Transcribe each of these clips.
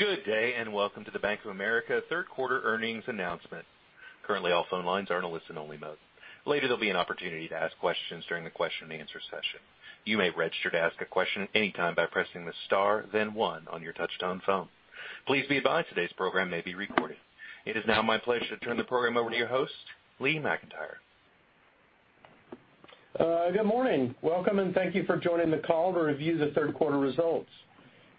Good day, and welcome to the Bank of America third quarter earnings announcement. Currently, all phone lines are in a listen-only mode. Later, there will be an opportunity to ask questions during the question-and-answer session. You may register to ask a question anytime by pressing a star then one on your touch-tone phone. Please be advised today's program may be recorded. It is now my pleasure to turn the program over to your host, Lee McEntire. Good morning. Welcome, and thank you for joining the call to review the third quarter results.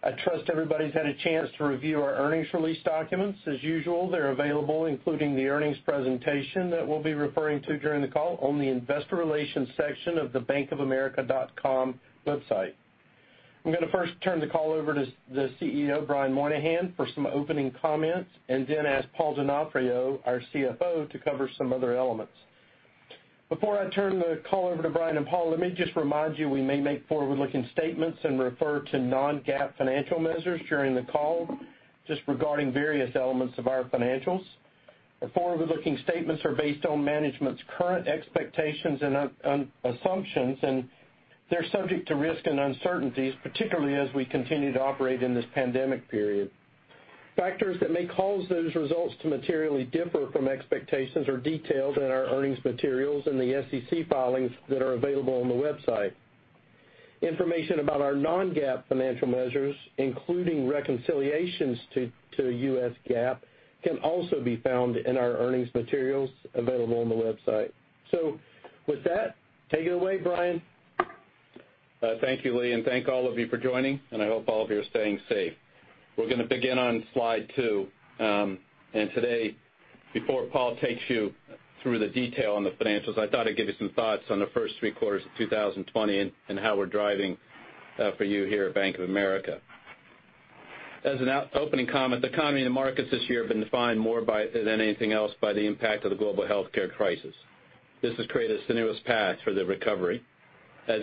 I trust everybody's had a chance to review our earnings release documents. As usual, they're available, including the earnings presentation that we'll be referring to during the call on the investor relations section of the bankofamerica.com website. I'm gonna first turn the call over to the CEO, Brian Moynihan, for some opening comments, and then ask Paul Donofrio, our CFO, to cover some other elements. Before I turn the call over to Brian and Paul, let me just remind you, we may make forward-looking statements and refer to non-GAAP financial measures during the call just regarding various elements of our financials. The forward-looking statements are based on management's current expectations and assumptions, and they're subject to risk and uncertainties, particularly as we continue to operate in this pandemic period. Factors that may cause those results to materially differ from expectations are detailed in our earnings materials in the SEC filings that are available on the website. Information about our non-GAAP financial measures, including reconciliations to U.S. GAAP, can also be found in our earnings materials available on the website. So, with that, take it away, Brian. Thank you, Lee, thank all of you for joining, I hope all of you are staying safe. We're gonna begin on slide two. Today, before Paul takes you through the detail on the financials, I thought I'd give you some thoughts on the first three quarters of 2020 and how we're driving for you here at Bank of America. As an opening comment, the economy and the markets this year have been defined more by, than anything else, by the impact of the global healthcare crisis. This has created a strenuous path for the recovery. As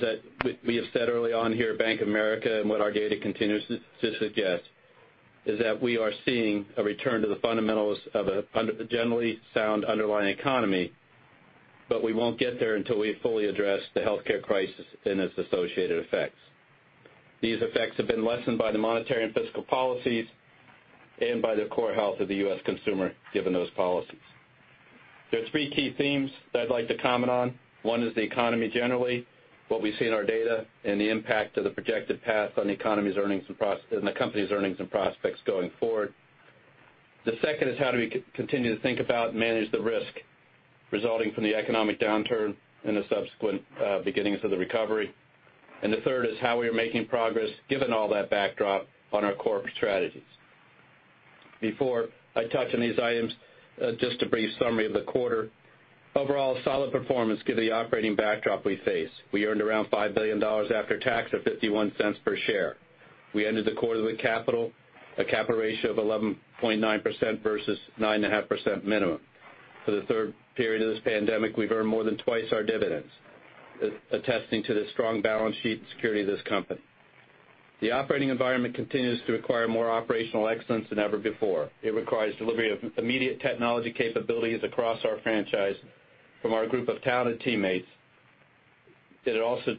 we have said early on here at Bank of America, and what our data continues to suggest, is that we are seeing a return to the fundamentals of a generally sound underlying economy, but we won't get there until we fully address the healthcare crisis and its associated effects. These effects have been lessened by the monetary and fiscal policies and by the core health of the U.S. consumer, given those policies. There are three key themes that I'd like to comment on. One is the economy generally, what we see in our data, and the impact of the projected path on the economy's earnings and on the company's earnings and prospects going forward. The second is how do we continue to think about and manage the risk resulting from the economic downturn and the subsequent beginnings of the recovery. The third is how we are making progress, given all that backdrop, on our corporate strategies. Before I touch on these items, just a brief summary of the quarter. Overall, a solid performance given the operating backdrop we face. We earned around $5 billion after tax of $0.51 per share. We ended the quarter with capital, a capital ratio of 11.9% versus 9.5% minimum. For the third period of this pandemic, we've earned more than twice our dividends, attesting to the strong balance sheet and security of this company. The operating environment continues to require more operational excellence than ever before. It requires delivery of immediate technology capabilities across our franchise from our group of talented teammates. It also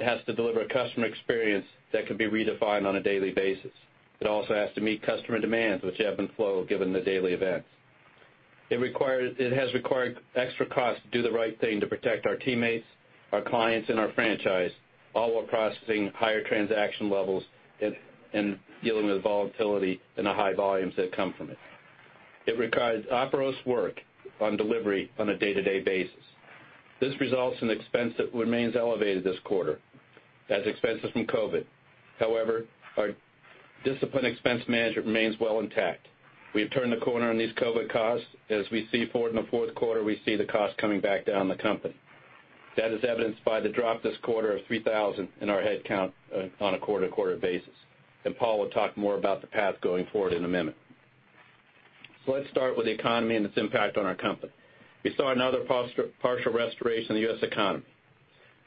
has to deliver a customer experience that can be redefined on a daily basis. It also has to meet customer demands, which ebb and flow given the daily events. It has required extra cost to do the right thing to protect our teammates, our clients, and our franchise, all while processing higher transaction levels and dealing with the volatility and the high volumes that come from it. It requires arduous work on delivery on a day-to-day basis. This results in expense that remains elevated this quarter. That's expenses from COVID. However, our disciplined expense management remains well intact. We have turned the corner on these COVID costs. As we see forward in the fourth quarter, we see the cost coming back down the company. That is evidenced by the drop this quarter of 3,000 in our head count on a quarter-to-quarter basis. Paul will talk more about the path going forward in a minute. Let's start with the economy and its impact on our company. We saw another partial restoration of the U.S. economy.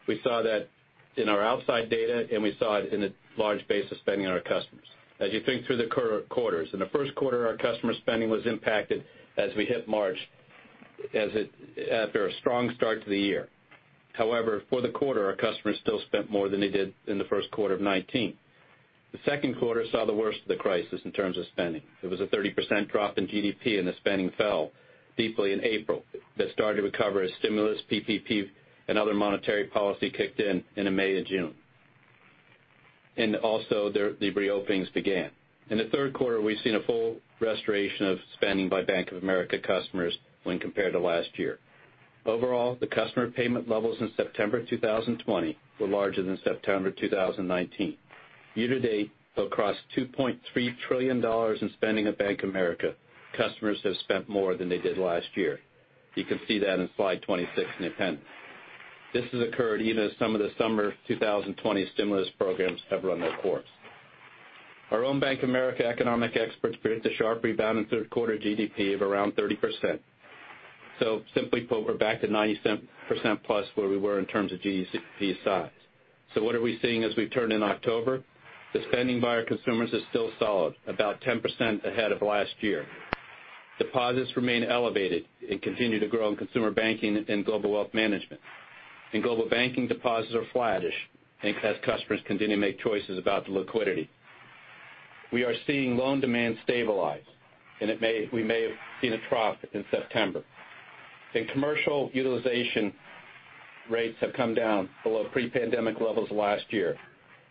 We saw that in our outside data, we saw it in the large base of spending on our customers. As you think through the quarters, in the first quarter, our customer spending was impacted as we hit March, after a strong start to the year. However, for the quarter, our customers still spent more than they did in the first quarter of 2019. The second quarter saw the worst of the crisis in terms of spending. It was a 30% drop in GDP, the spending fell deeply in April. That started to recover as stimulus, PPP, and other monetary policy kicked in, in the May and June. And also, the REO openings began. In the third quarter, we've seen a full restoration of spending by Bank of America customers when compared to last year. Overall, the customer payment levels in September 2020 were larger than September 2019. Year to date, across $2.3 trillion in spending at Bank of America, customers have spent more than they did last year. You can see that in slide 26 in the appendix. This has occurred even as some of the summer 2020 stimulus programs have run their course. Our own Bank of America economic experts predict a sharp rebound in third quarter GDP of around 30%. Simply put, we're back to 90%+ where we were in terms of GDP size. What are we seeing as we turn in October? The spending by our consumers is still solid, about 10% ahead of last year. Deposits remain elevated and continue to grow in Consumer Banking and Global Wealth Management. In Global Banking, deposits are flattish as customers continue to make choices about the liquidity. We are seeing loan demand stabilize, we may have seen a trough in September. In commercial utilization rates have come down below pre-pandemic levels last year.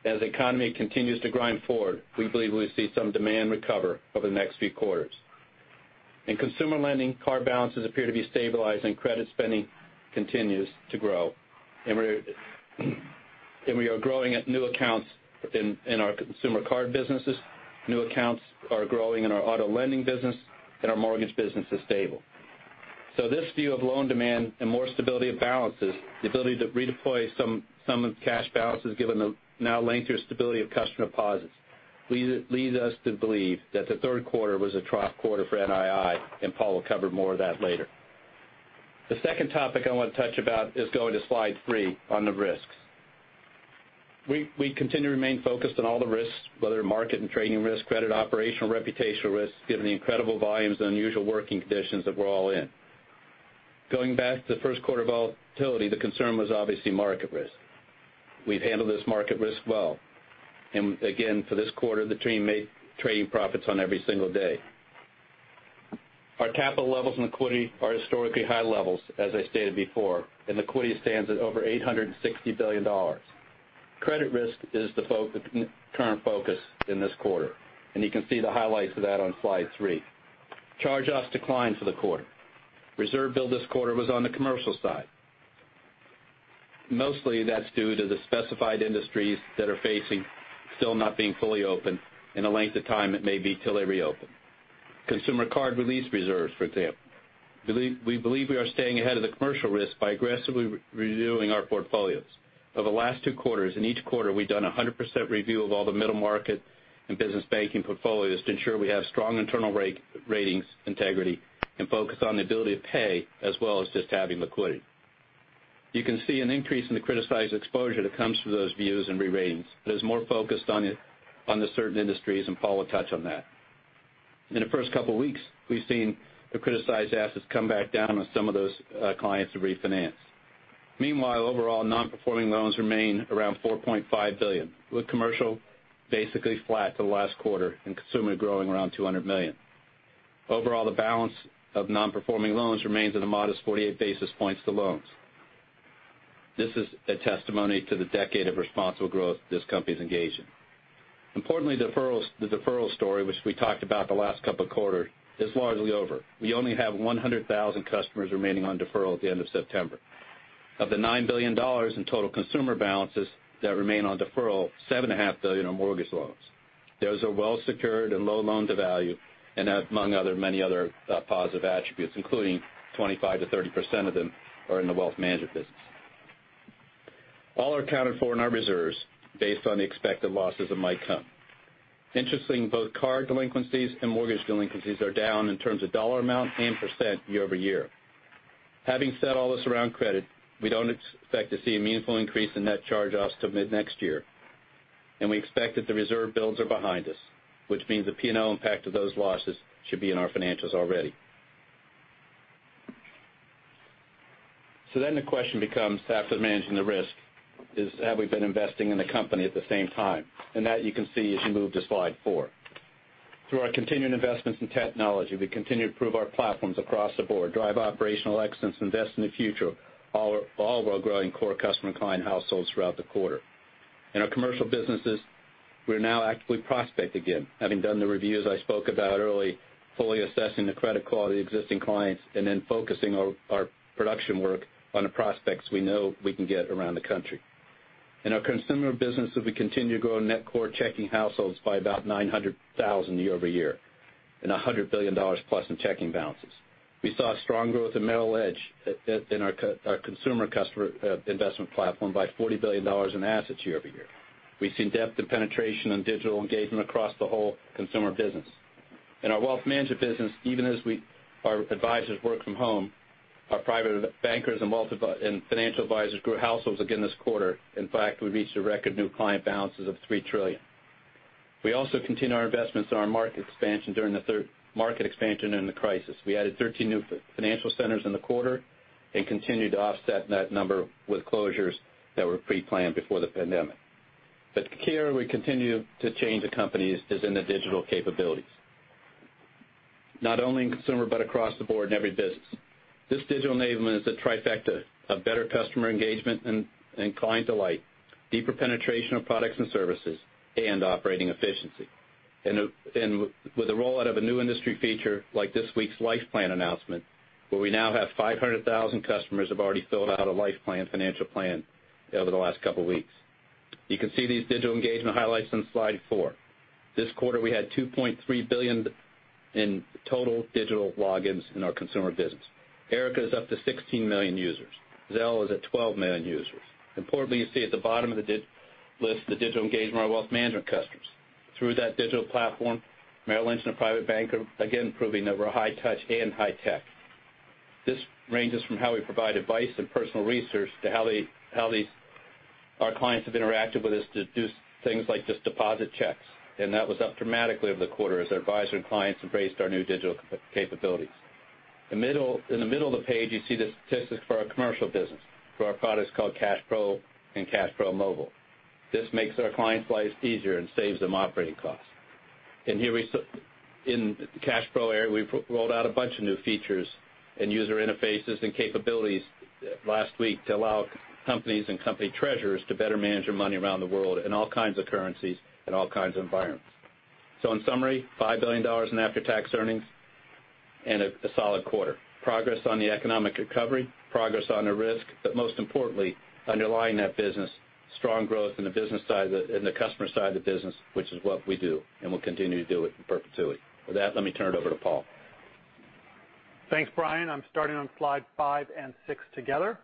As the economy continues to grind forward, we believe we'll see some demand recover over the next few quarters. In consumer lending, card balances appear to be stabilizing. Credit spending continues to grow. We are growing at new accounts in our consumer card businesses. New accounts are growing in our auto lending business, and our mortgage business is stable. This view of loan demand and more stability of balances, the ability to redeploy some of the cash balances given the now lengthier stability of customer deposits leads us to believe that the third quarter was a trough quarter for NII, and Paul will cover more of that later. The second topic I want to touch about is going to slide three on the risks. We continue to remain focused on all the risks, whether market and trading risk, credit, operational, reputational risk, given the incredible volumes and unusual working conditions that we're all in. Going back to the first quarter volatility, the concern was obviously market risk. We've handled this market risk well. Again, for this quarter, the team made trading profits on every single day. Our capital levels and liquidity are historically high levels, as I stated before, and liquidity stands at over $860 billion. Credit risk is the current focus in this quarter, and you can see the highlights of that on slide three. Charge-offs declined for the quarter. Reserve build this quarter was on the commercial side. Mostly, that's due to the specified industries that are facing still not being fully open and the length of time it may be till they reopen. Consumer card released reserves, for example. We believe we are staying ahead of the commercial risk by aggressively re-reviewing our portfolios. Over the last two quarters, in each quarter, we've done a 100% review of all the middle market and business banking portfolios to ensure we have strong internal rate, ratings integrity, and focus on the ability to pay as well as just having liquidity. You can see an increase in the criticized exposure that comes from those views and re-ratings, but it's more focused on the certain industries, and Paul will touch on that. In the first couple weeks, we've seen the criticized assets come back down on some of those clients who refinanced. Meanwhile, overall non-performing loans remain around $4.5 billion, with commercial basically flat to the last quarter and consumer growing around $200 million. Overall, the balance of non-performing loans remains at a modest 48 basis points to loans. This is a testimony to the decade of responsible growth this company's engaged in. Importantly, deferrals. The deferral story, which we talked about the last couple of quarters, is largely over. We only have 100,000 customers remaining on deferral at the end of September. Of the $9 billion in total consumer balances that remain on deferral, $7.5 billion are mortgage loans. Those are well secured and low loan to value, and among other, many other, positive attributes, including 25%-30% of them are in the wealth management business. All are accounted for in our reserves based on the expected losses that might come. Interesting, both card delinquencies and mortgage delinquencies are down in terms of dollar amount and percent year-over-year. Having said all this around credit, we don't expect to see a meaningful increase in net charge-offs till mid next year. We expect that the reserve builds are behind us, which means the P&L impact of those losses should be in our financials already. The question becomes, after managing the risk is, have we been investing in the company at the same time? That you can see as you move to slide four. Through our continuing investments in technology, we continue to improve our platforms across the board, drive operational excellence, invest in the future, all while growing core customer and client households throughout the quarter. In our commercial businesses, we're now actively prospect again. Having done the reviews I spoke about early, fully assessing the credit quality of existing clients, and then focusing our production work on the prospects we know we can get around the country. In our consumer business, we continue to grow net core checking households by about 900,000 year-over-year and $100 billion+ in checking balances. We saw strong growth in Merrill Edge, in our consumer customer investment platform by $40 billion in assets year-over-year. We've seen depth and penetration and digital engagement across the whole consumer business. In our wealth management business, even as we, our advisors work from home, our private bankers and financial advisors grew households again this quarter. In fact, we reached a record new client balances of $3 trillion. We also continue our investments in our market expansion during the market expansion in the crisis. We added 13 new financial centers in the quarter and continued to offset that number with closures that were pre-planned before the pandemic. Key area we continue to change the company is in the digital capabilities, not only in consumer, but across the board in every business. This digital enablement is a trifecta of better customer engagement and client delight, deeper penetration of products and services, and operating efficiency. With the rollout of a new industry feature like this week's Life Plan announcement, where we now have 500,000 customers have already filled out a Life Plan financial plan over the last couple weeks. You can see these digital engagement highlights on slide four. This quarter, we had 2.3 billion in total digital logins in our consumer business. Erica is up to 16 million users. Zelle is at 12 million users. Importantly, you see at the bottom of the list the digital engagement of our wealth management customers. Through that digital platform, Merrill Lynch and a Private Bank are again, proving that we're high touch and high tech. This ranges from how we provide advice and personal research to how they, how these, our clients have interacted with us to do things like just deposit checks. That was up dramatically over the quarter as our advisory clients embraced our new digital capabilities. The middle, in the middle of the page, you see the statistics for our commercial business, for our products called CashPro and CashPro Mobile. This makes our clients' lives easier and saves them operating costs. Here we in the CashPro area, we've rolled out a bunch of new features and user interfaces and capabilities last week to allow companies and company treasurers to better manage their money around the world in all kinds of currencies and all kinds of environments. In summary, $5 billion in after-tax earnings and a solid quarter. Progress on the economic recovery, progress on the risk, but most importantly, underlying that business, strong growth in the business side, in the customer side of the business, which is what we do, and we'll continue to do it in perpetuity. With that, let me turn it over to Paul. Thanks, Brian. I am starting on slide five and six together.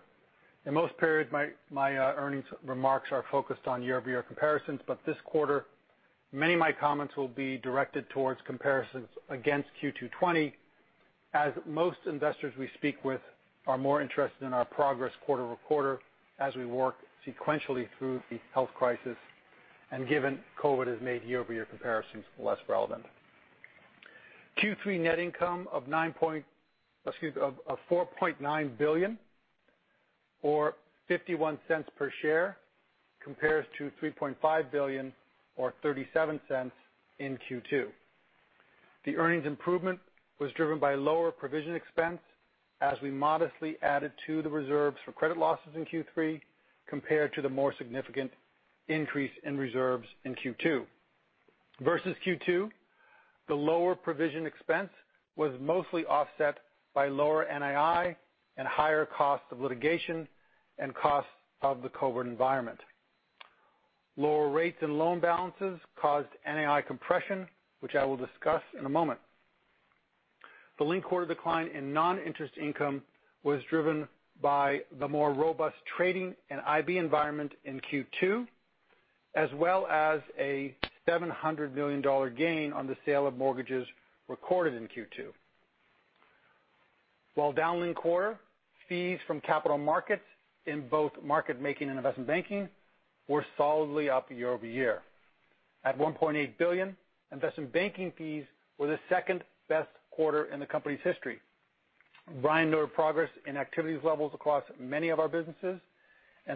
In most periods, my earnings remarks are focused on year-over-year comparisons, but this quarter, many of my comments will be directed towards comparisons against Q2 2020, as most investors we speak with are more interested in our progress quarter-over-quarter as we work sequentially through the health crisis, and given COVID has made year-over-year comparisons less relevant. Q3 net income of $4.9 billion or $0.51 per share, compares to $3.5 billion or $0.37 in Q2. The earnings improvement was driven by lower provision expense as we modestly added to the reserves for credit losses in Q3, compared to the more significant increase in reserves in Q2. Versus Q2, the lower provision expense was mostly offset by lower NII and higher cost of litigation and costs of the COVID environment. Lower rates and loan balances caused NII compression, which I will discuss in a moment. The linked quarter decline in non-interest income was driven by the more robust trading and IB environment in Q2, as well as a $700 million gain on the sale of mortgages recorded in Q2. While down linked quarter, fees from capital markets in both market making and investment banking were solidly up year-over-year. At $1.8 billion, investment banking fees were the second-best quarter in the company's history. Brian noted progress in activities levels across many of our businesses,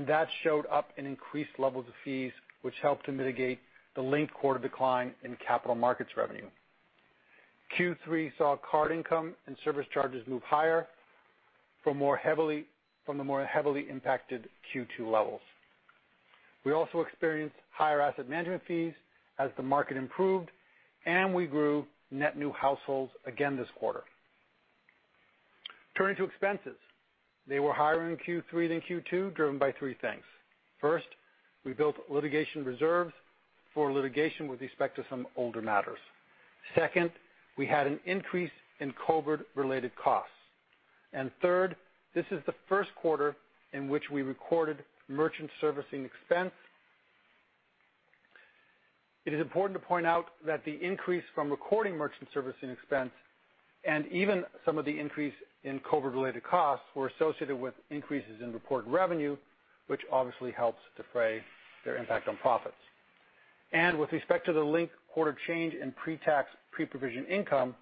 that showed up in increased levels of fees, which helped to mitigate the linked quarter decline in capital markets revenue. Q3 saw card income and service charges move higher from more heavily, from the more heavily impacted Q2 levels. We also experienced higher asset management fees as the market improved, and we grew net new households again this quarter. Turning to expenses. They were higher in Q3 than Q2, driven by three things. First, we built litigation reserves for litigation with respect to some older matters. Second, we had an increase in COVID-related costs. Third, this is the first quarter in which we recorded merchant servicing expense. It is important to point out that the increase from recording merchant servicing expense, and even some of the increase in COVID-related costs, were associated with increases in reported revenue, which obviously helps defray their impact on profits. With respect to the linked quarter change in pre-tax, pre-provision income,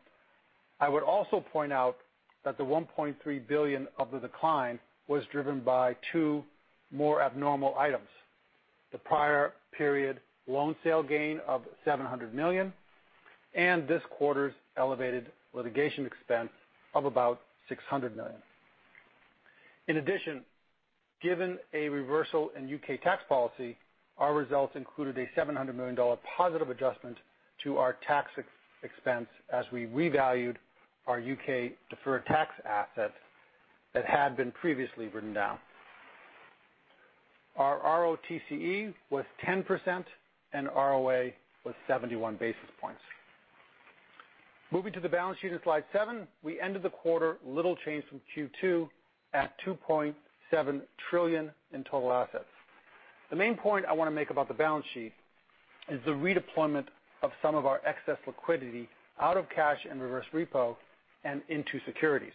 I would also point out that the $1.3 billion of the decline was driven by two more abnormal items, the prior period loan sale gain of $700 million, and this quarter's elevated litigation expense of about $600 million. In addition, given a reversal in U.K. tax policy, our results included a $700 million positive adjustment to our tax expense as we revalued our U.K. deferred tax asset that had been previously written down. Our ROTCE was 10%, and ROA was 71 basis points. Moving to the balance sheet in slide seven, we ended the quarter little change from Q2 at $2.7 trillion in total assets. The main point I want to make about the balance sheet is the redeployment of some of our excess liquidity out of cash and reverse repo and into securities.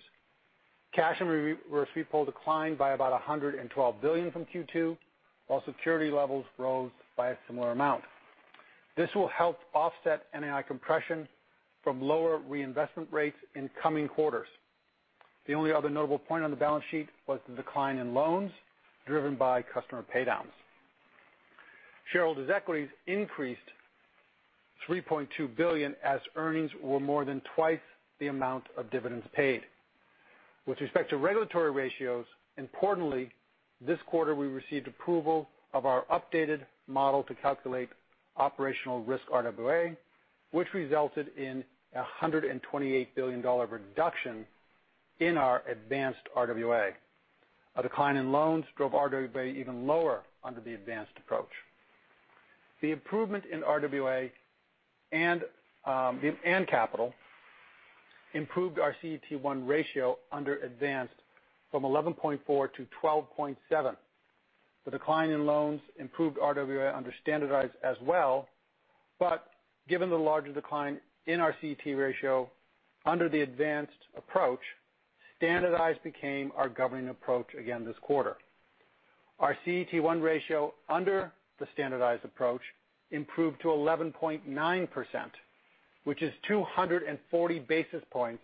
Cash and reverse repo declined by about $112 billion from Q2, while security levels rose by a similar amount. This will help offset NII compression from lower reinvestment rates in coming quarters. The only other notable point on the balance sheet was the decline in loans driven by customer paydowns. Shareholders' equities increased $3.2 billion as earnings were more than twice the amount of dividends paid. With respect to regulatory ratios, importantly, this quarter we received approval of our updated model to calculate operational risk RWA, which resulted in a $128 billion reduction in our advanced RWA. A decline in loans drove RWA even lower under the advanced approach. The improvement in RWA and capital improved our CET1 ratio under advanced from 11.4 to 12.7. The decline in loans improved RWA under standardized as well. But, given the larger decline in our CET1 ratio under the advanced approach, standardized became our governing approach again this quarter. Our CET1 ratio under the standardized approach improved to 11.9%, which is 240 basis points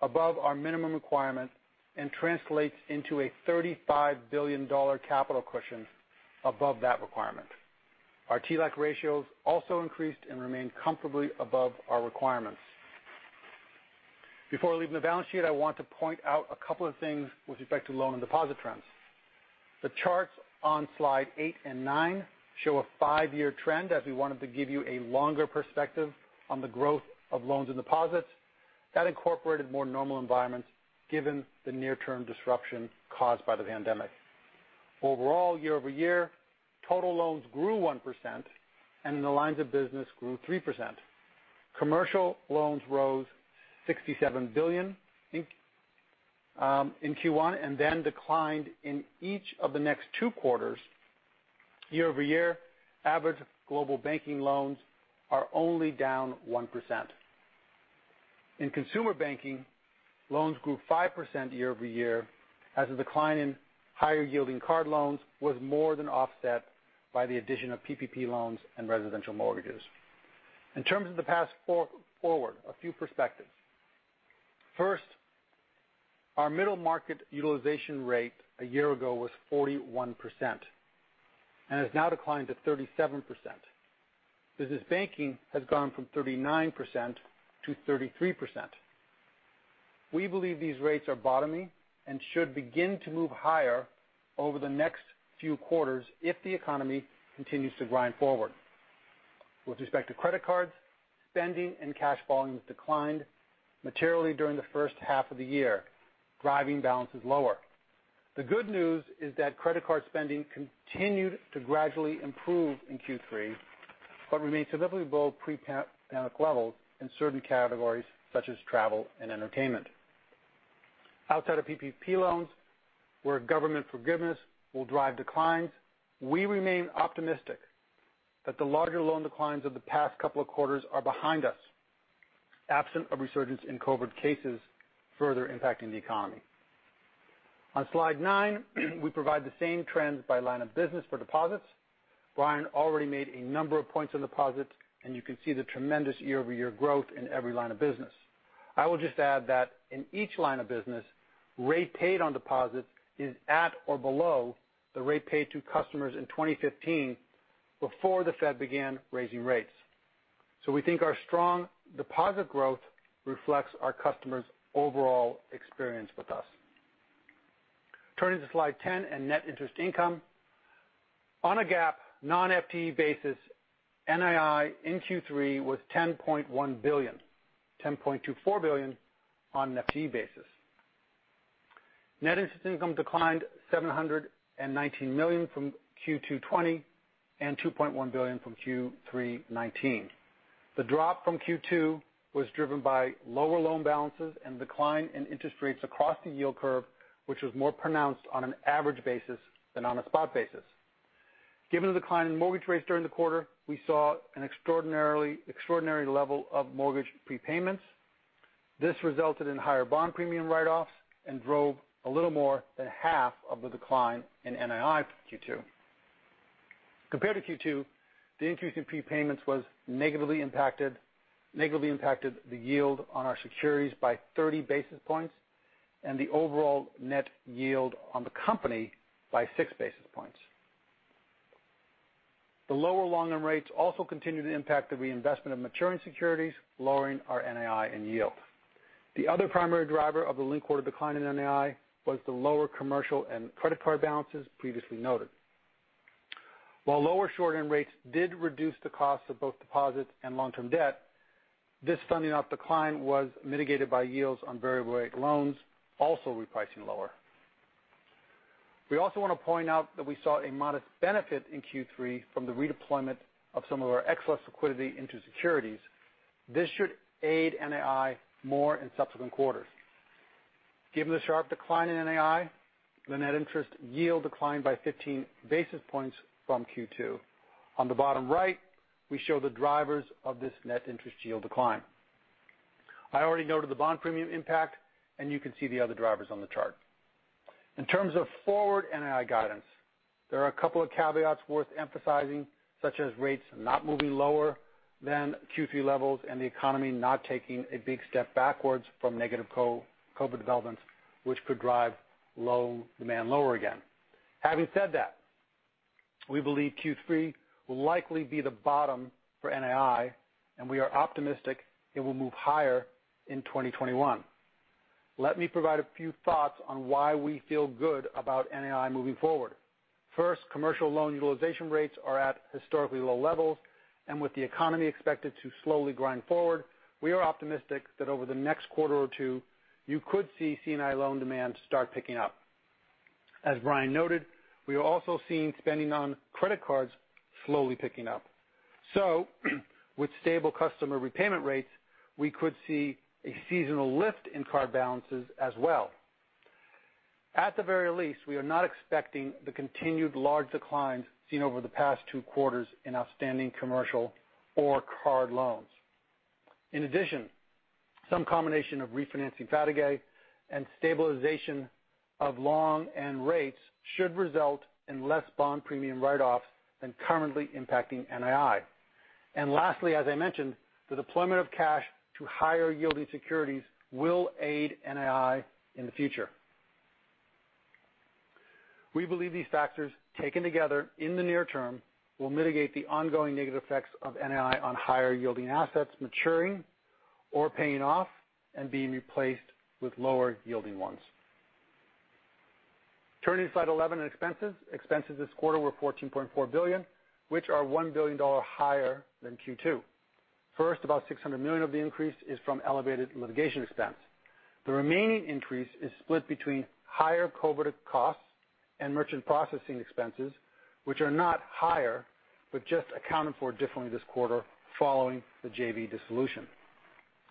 above our minimum requirement and translates into a $35 billion capital cushion above that requirement. Our TLAC ratios also increased and remain comfortably above our requirements. Before leaving the balance sheet, I want to point out a couple of things with respect to loan and deposit trends. The charts on slide eight and nine show a five-year trend as we wanted to give you a longer perspective on the growth of loans and deposits that incorporated more normal environments given the near-term disruption caused by the pandemic. Overall, year-over-year, total loans grew 1% and in the lines of business grew 3%. Commercial loans rose $67 billion in Q1 and then declined in each of the next two quarters. Year-over-year, average Global Banking loans are only down 1%. In Consumer Banking, loans grew 5% year-over-year as a decline in higher yielding card loans was more than offset by the addition of PPP loans and residential mortgages. In terms of the path forward, a few perspectives. First, our middle market utilization rate a year ago was 41% and has now declined to 37%. Business banking has gone from 39% to 33%. We believe these rates are bottoming and should begin to move higher over the next few quarters if the economy continues to grind forward. With respect to credit cards, spending and cash volumes declined materially during the first half of the year, driving balances lower. The good news is that credit card spending continued to gradually improve in Q3, but remains significantly below pre-pandemic levels in certain categories such as travel and entertainment. Outside of PPP loans, where government forgiveness will drive declines, we remain optimistic that the larger loan declines of the past couple of quarters are behind us, absent of resurgence in COVID cases further impacting the economy. On slide nine, we provide the same trends by line of business for deposits. Brian already made a number of points on deposits, and you can see the tremendous year-over-year growth in every line of business. I will just add that in each line of business, rate paid on deposits is at or below the rate paid to customers in 2015 before the Fed began raising rates. We think our strong deposit growth reflects our customers' overall experience with us. Turning to slide 10 and net interest income. On a GAAP, non-FTE basis, NII in Q3 was $10.1 billion. $10.24 billion on an FTE basis. Net interest income declined $719 million from Q2 2020 and $2.1 billion from Q3 2019. The drop from Q2 was driven by lower loan balances and decline in interest rates across the yield curve, which was more pronounced on an average basis than on a spot basis. Given the decline in mortgage rates during the quarter, we saw an extraordinary level of mortgage prepayments. This resulted in higher bond premium write-offs and drove a little more than half of the decline in NII from Q2. Compared to Q2, the increase in prepayments was negatively impacted the yield on our securities by 30 basis points and the overall net yield on the company by 6 basis points. The lower long-term rates also continued to impact the reinvestment of maturing securities, lowering our NII and yield. The other primary driver of the linked quarter decline in NII was the lower commercial and credit card balances previously noted. While lower short-term rates did reduce the cost of both deposits and long-term debt, this funding cost decline was mitigated by yields on variable rate loans also repricing lower. We also want to point out that we saw a modest benefit in Q3 from the redeployment of some of our excess liquidity into securities. This should aid NII more in subsequent quarters. Given the sharp decline in NII, the net interest yield declined by 15 basis points from Q2. On the bottom right, we show the drivers of this net interest yield decline. I already noted the bond premium impact, and you can see the other drivers on the chart. In terms of forward NII guidance, there are a couple of caveats worth emphasizing, such as rates not moving lower than Q3 levels and the economy not taking a big step backwards from negative COVID developments which could drive low demand lower again. Having said that, we believe Q3 will likely be the bottom for NII, and we are optimistic it will move higher in 2021. Let me provide a few thoughts on why we feel good about NII moving forward. First, commercial loan utilization rates are at historically low levels, and with the economy expected to slowly grind forward, we are optimistic that over the next quarter or two, you could see C&I loan demand start picking up. As Brian noted, we are also seeing spending on credit cards slowly picking up. With stable customer repayment rates, we could see a seasonal lift in card balances as well. At the very least, we are not expecting the continued large declines seen over the past two quarters in outstanding commercial or card loans. In addition, some combination of refinancing fatigue and stabilization of long end rates should result in less bond premium write-offs than currently impacting NII. Lastly, as I mentioned, the deployment of cash to higher yielding securities will aid NII in the future. We believe these factors, taken together in the near term, will mitigate the ongoing negative effects of NII on higher yielding assets maturing or paying off and being replaced with lower yielding ones. Turning to slide 11 and expenses. Expenses this quarter were $14.4 billion, which are $1 billion higher than Q2. First, about $600 million of the increase is from elevated litigation expense. The remaining increase is split between higher COVID costs and merchant processing expenses, which are not higher, but just accounted for differently this quarter following the JV dissolution.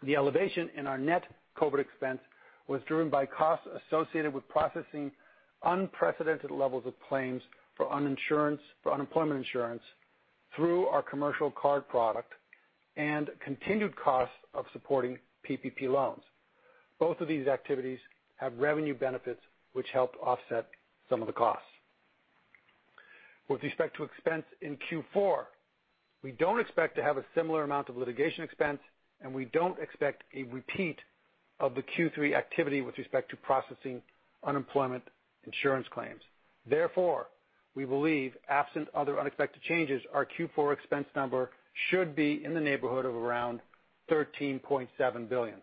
The elevation in our net COVID expense was driven by costs associated with processing unprecedented levels of claims for unemployment insurance through our commercial card product and continued costs of supporting PPP loans. Both of these activities have revenue benefits which help offset some of the costs. With respect to expense in Q4, we don't expect to have a similar amount of litigation expense, and we don't expect a repeat of the Q3 activity with respect to processing unemployment insurance claims. Therefore, we believe absent other unexpected changes, our Q4 expense number should be in the neighborhood of around $13.7 billion.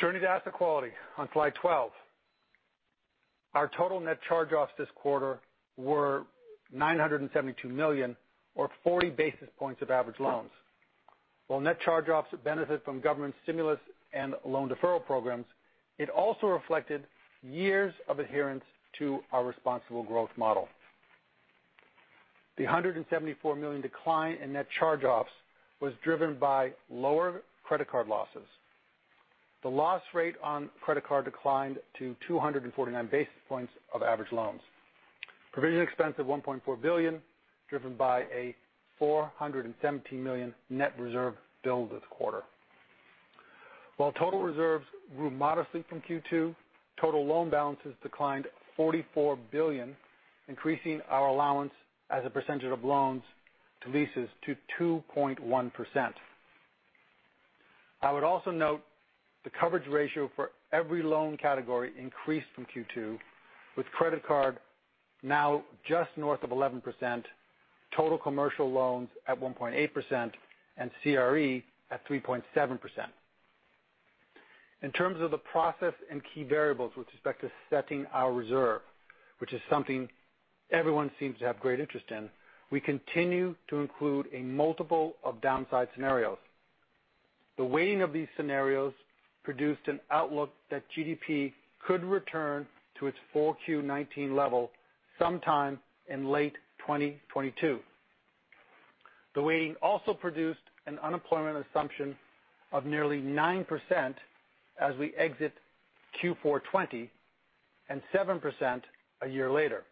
Turning to asset quality on slide 12. Our total net charge-offs this quarter were $972 million or 40 basis points of average loans. While net charge-offs benefit from government stimulus and loan deferral programs, it also reflected years of adherence to our responsible growth model. The $174 million decline in net charge-offs was driven by lower credit card losses. The loss rate on credit card declined to 249 basis points of average loans. Provision expense of $1.4 billion, driven by a $417 million net reserve build this quarter. While total reserves grew modestly from Q2, total loan balances declined $44 billion, increasing our allowance as a percentage of loans to leases to 2.1%. I would also note the coverage ratio for every loan category increased from Q2, with credit card now just north of 11%, total commercial loans at 1.8%, and CRE at 3.7%. In terms of the process and key variables with respect to setting our reserve, which is something everyone seems to have great interest in, we continue to include a multiple of downside scenarios. The weighting of these scenarios produced an outlook that GDP could return to its 4Q 2019 level sometime in late 2022. The weighting also produced an unemployment assumption of nearly 9% as we exit Q4 2020, and 7% a year later.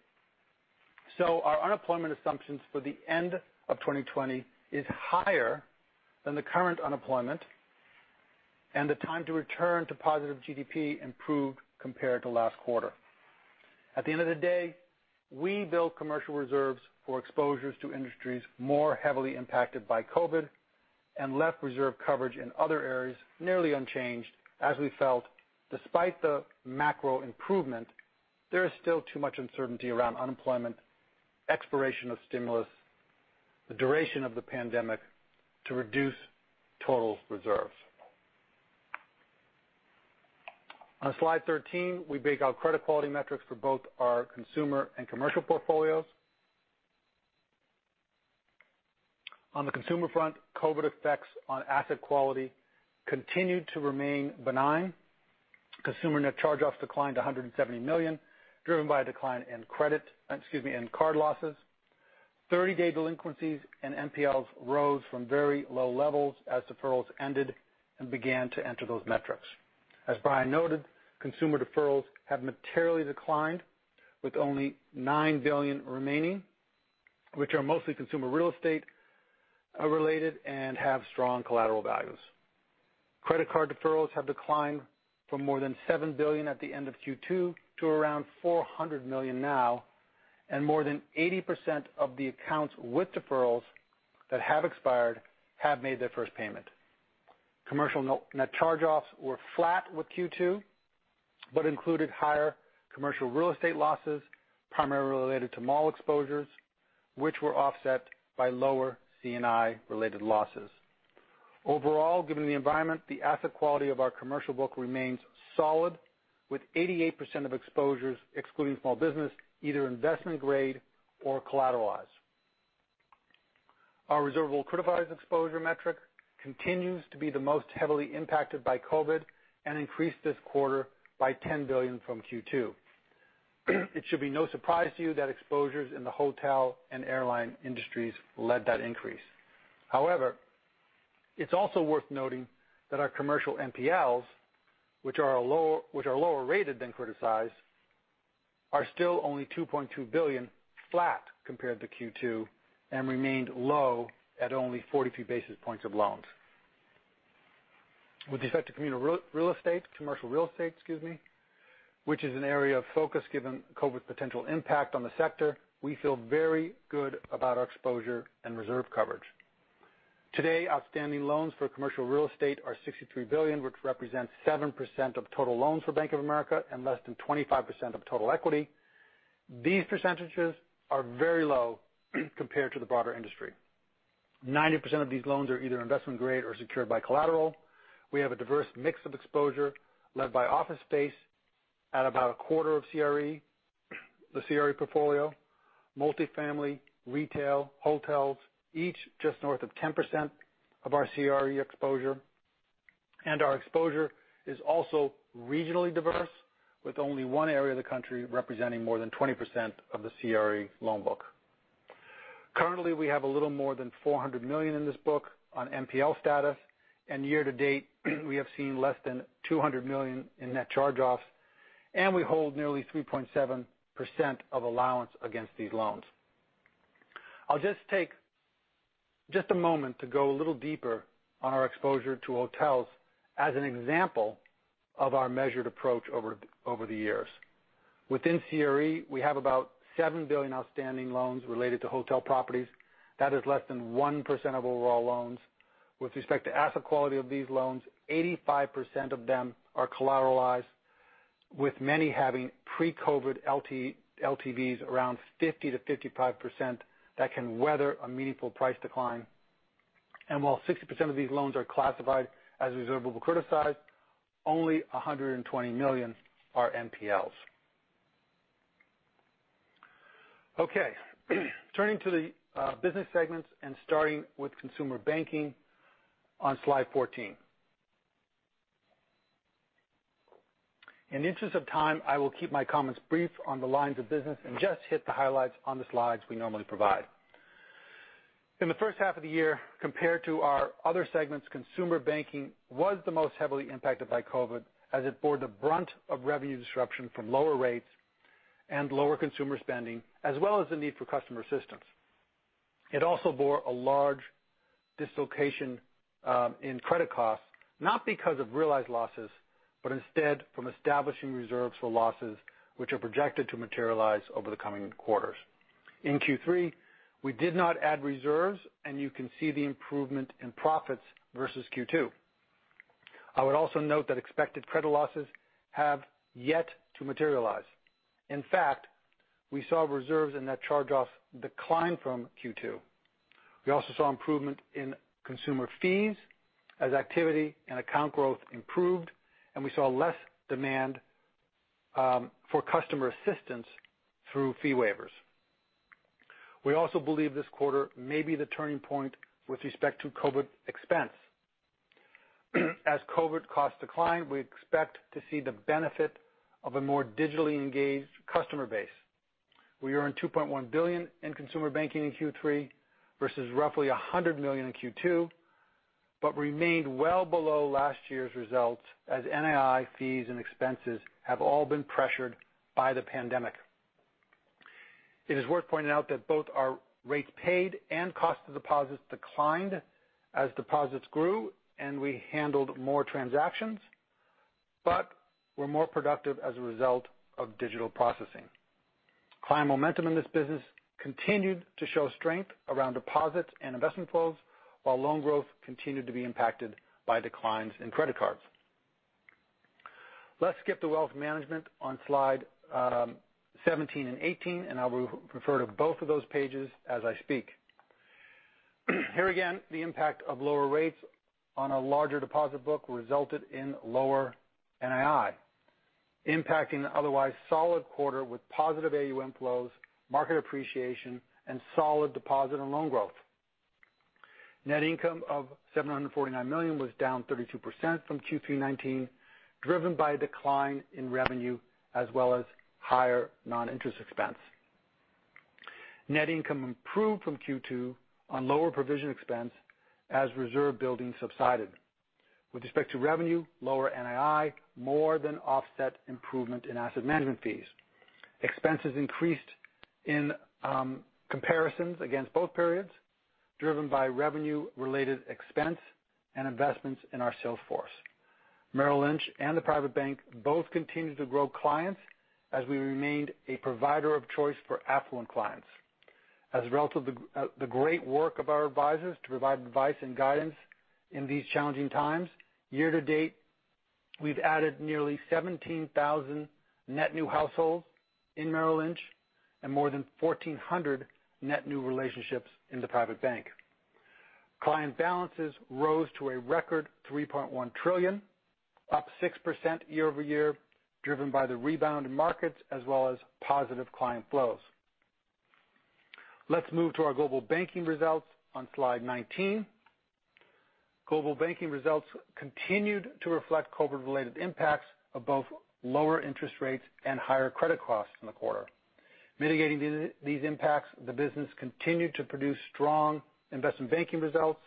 So, our unemployment assumptions for the end of 2020 is higher than the current unemployment and the time to return to positive GDP improved compared to last quarter. At the end of the day, we build commercial reserves for exposures to industries more heavily impacted by COVID and left reserve coverage in other areas nearly unchanged as we felt despite the macro improvement, there is still too much uncertainty around unemployment, expiration of stimulus, the duration of the pandemic to reduce total reserves. On slide 13, we break out credit quality metrics for both our consumer and commercial portfolios. On the consumer front, COVID effects on asset quality continued to remain benign. Consumer net charge-offs declined $170 million, driven by a decline in credit, excuse me, in card losses. 30-day delinquencies and NPLs rose from very low levels as deferrals ended and began to enter those metrics. As Brian noted, consumer deferrals have materially declined with only $9 billion remaining, which are mostly consumer real estate related and have strong collateral values. Credit card deferrals have declined from more than $7 billion at the end of Q2 to around $400 million now, and more than 80% of the accounts with deferrals that have expired have made their first payment. Commercial net charge-offs were flat with Q2, but included higher commercial real estate losses, primarily related to mall exposures, which were offset by lower C&I related losses. Overall, given the environment, the asset quality of our commercial book remains solid with 88% of exposures excluding small business, either investment grade or collateralized. Our reservable criticized exposure metric continues to be the most heavily impacted by COVID and increased this quarter by $10 billion from Q2. It should be no surprise to you that exposures in the hotel and airline industries led that increase. However, it's also worth noting that our commercial NPLs, which are lower rated than criticized, are still only $2.2 billion flat compared to Q2, and remained low at only 42 basis points of loans. With respect to commercial real estate, excuse me, which is an area of focus given COVID's potential impact on the sector, we feel very good about our exposure and reserve coverage. Today, outstanding loans for commercial real estate are $63 billion, which represents 7% of total loans for Bank of America and less than 25% of total equity. These percentages are very low compared to the broader industry. 90% of these loans are either investment grade or secured by collateral. We have a diverse mix of exposure led by office space at about a quarter of CRE, the CRE portfolio, multifamily, retail, hotels, each just north of 10% of our CRE exposure. Our exposure is also regionally diverse, with only one area of the country representing more than 20% of the CRE loan book. Currently, we have a little more than $400 million in this book on NPL status, and year to date, we have seen less than $200 million in net charge-offs, and we hold nearly 3.7% of allowance against these loans. I'll just take a moment to go a little deeper on our exposure to hotels as an example of our measured approach over the years. Within CRE, we have about $7 billion outstanding loans related to hotel properties. That is less than 1% of overall loans. With respect to asset quality of these loans, 85% of them are collateralized, with many having pre-COVID LTVs around 50%-55% that can weather a meaningful price decline. While 60% of these loans are classified as reservable criticized, only $120 million are NPLs. Okay. Turning to the business segments and starting with Consumer Banking on slide 14. In the interest of time, I will keep my comments brief on the lines of business and just hit the highlights on the slides we normally provide. In the first half of the year, compared to our other segments, Consumer Banking was the most heavily impacted by COVID as it bore the brunt of revenue disruption from lower rates and lower consumer spending, as well as the need for customer assistance. It also bore a large dislocation in credit costs, not because of realized losses, but instead from establishing reserves for losses which are projected to materialize over the coming quarters. In Q3, we did not add reserves, and you can see the improvement in profits versus Q2. I would also note that expected credit losses have yet to materialize. In fact, we saw reserves and net charge-offs decline from Q2. We also saw improvement in consumer fees as activity and account growth improved, and we saw less demand for customer assistance through fee waivers. We also believe this quarter may be the turning point with respect to COVID expense. As COVID costs decline, we expect to see the benefit of a more digitally engaged customer base. We earned $2.1 billion in Consumer Banking in Q3 versus roughly $100 million in Q2, but remained well below last year's results as NII fees and expenses have all been pressured by the pandemic. It is worth pointing out that both our rates paid and cost of deposits declined as deposits grew and we handled more transactions, but were more productive as a result of digital processing. Client momentum in this business continued to show strength around deposits and investment flows, while loan growth continued to be impacted by declines in credit cards. Let's skip to wealth management on slide 17 and 18, and I will refer to both of those pages as I speak. Here again, the impact of lower rates on a larger deposit book resulted in lower NII, impacting the otherwise solid quarter with positive AUM flows, market appreciation, and solid deposit and loan growth. Net income of $749 million was down 32% from Q3 2019, driven by a decline in revenue as well as higher non-interest expense. Net income improved from Q2 on lower provision expense as reserve building subsided. With respect to revenue, lower NII more than offset improvement in asset management fees. Expenses increased in comparisons against both periods, driven by revenue-related expense and investments in our sales force. Merrill Lynch and the Private Bank both continued to grow clients as we remained a provider of choice for affluent clients. As a result of the great work of our advisors to provide advice and guidance in these challenging times, year to date, we've added nearly 17,000 net new households in Merrill Lynch and more than 1,400 net new relationships in the Private Bank. Client balances rose to a record $3.1 trillion, up 6% year-over-year, driven by the rebound in markets as well as positive client flows. Let's move to our Global Banking results on slide 19. Global Banking results continued to reflect COVID-related impacts of both lower interest rates and higher credit costs in the quarter. Mitigating these impacts, the business continued to produce strong investment banking results.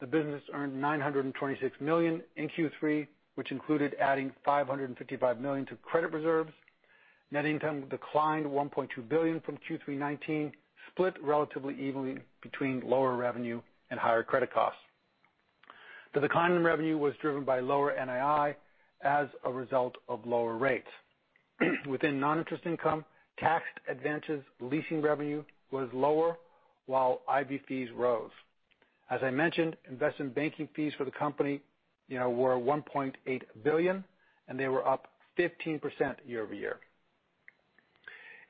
The business earned $926 million in Q3, which included adding $555 million to credit reserves. Net income declined $1.2 billion from Q3 2019, split relatively evenly between lower revenue and higher credit costs. The decline in revenue was driven by lower NII as a result of lower rates. Within non-interest income, tax advantages leasing revenue was lower while IB fees rose. As I mentioned, investment banking fees for the company, you know, were $1.8 billion, and they were up 15% year-over-year.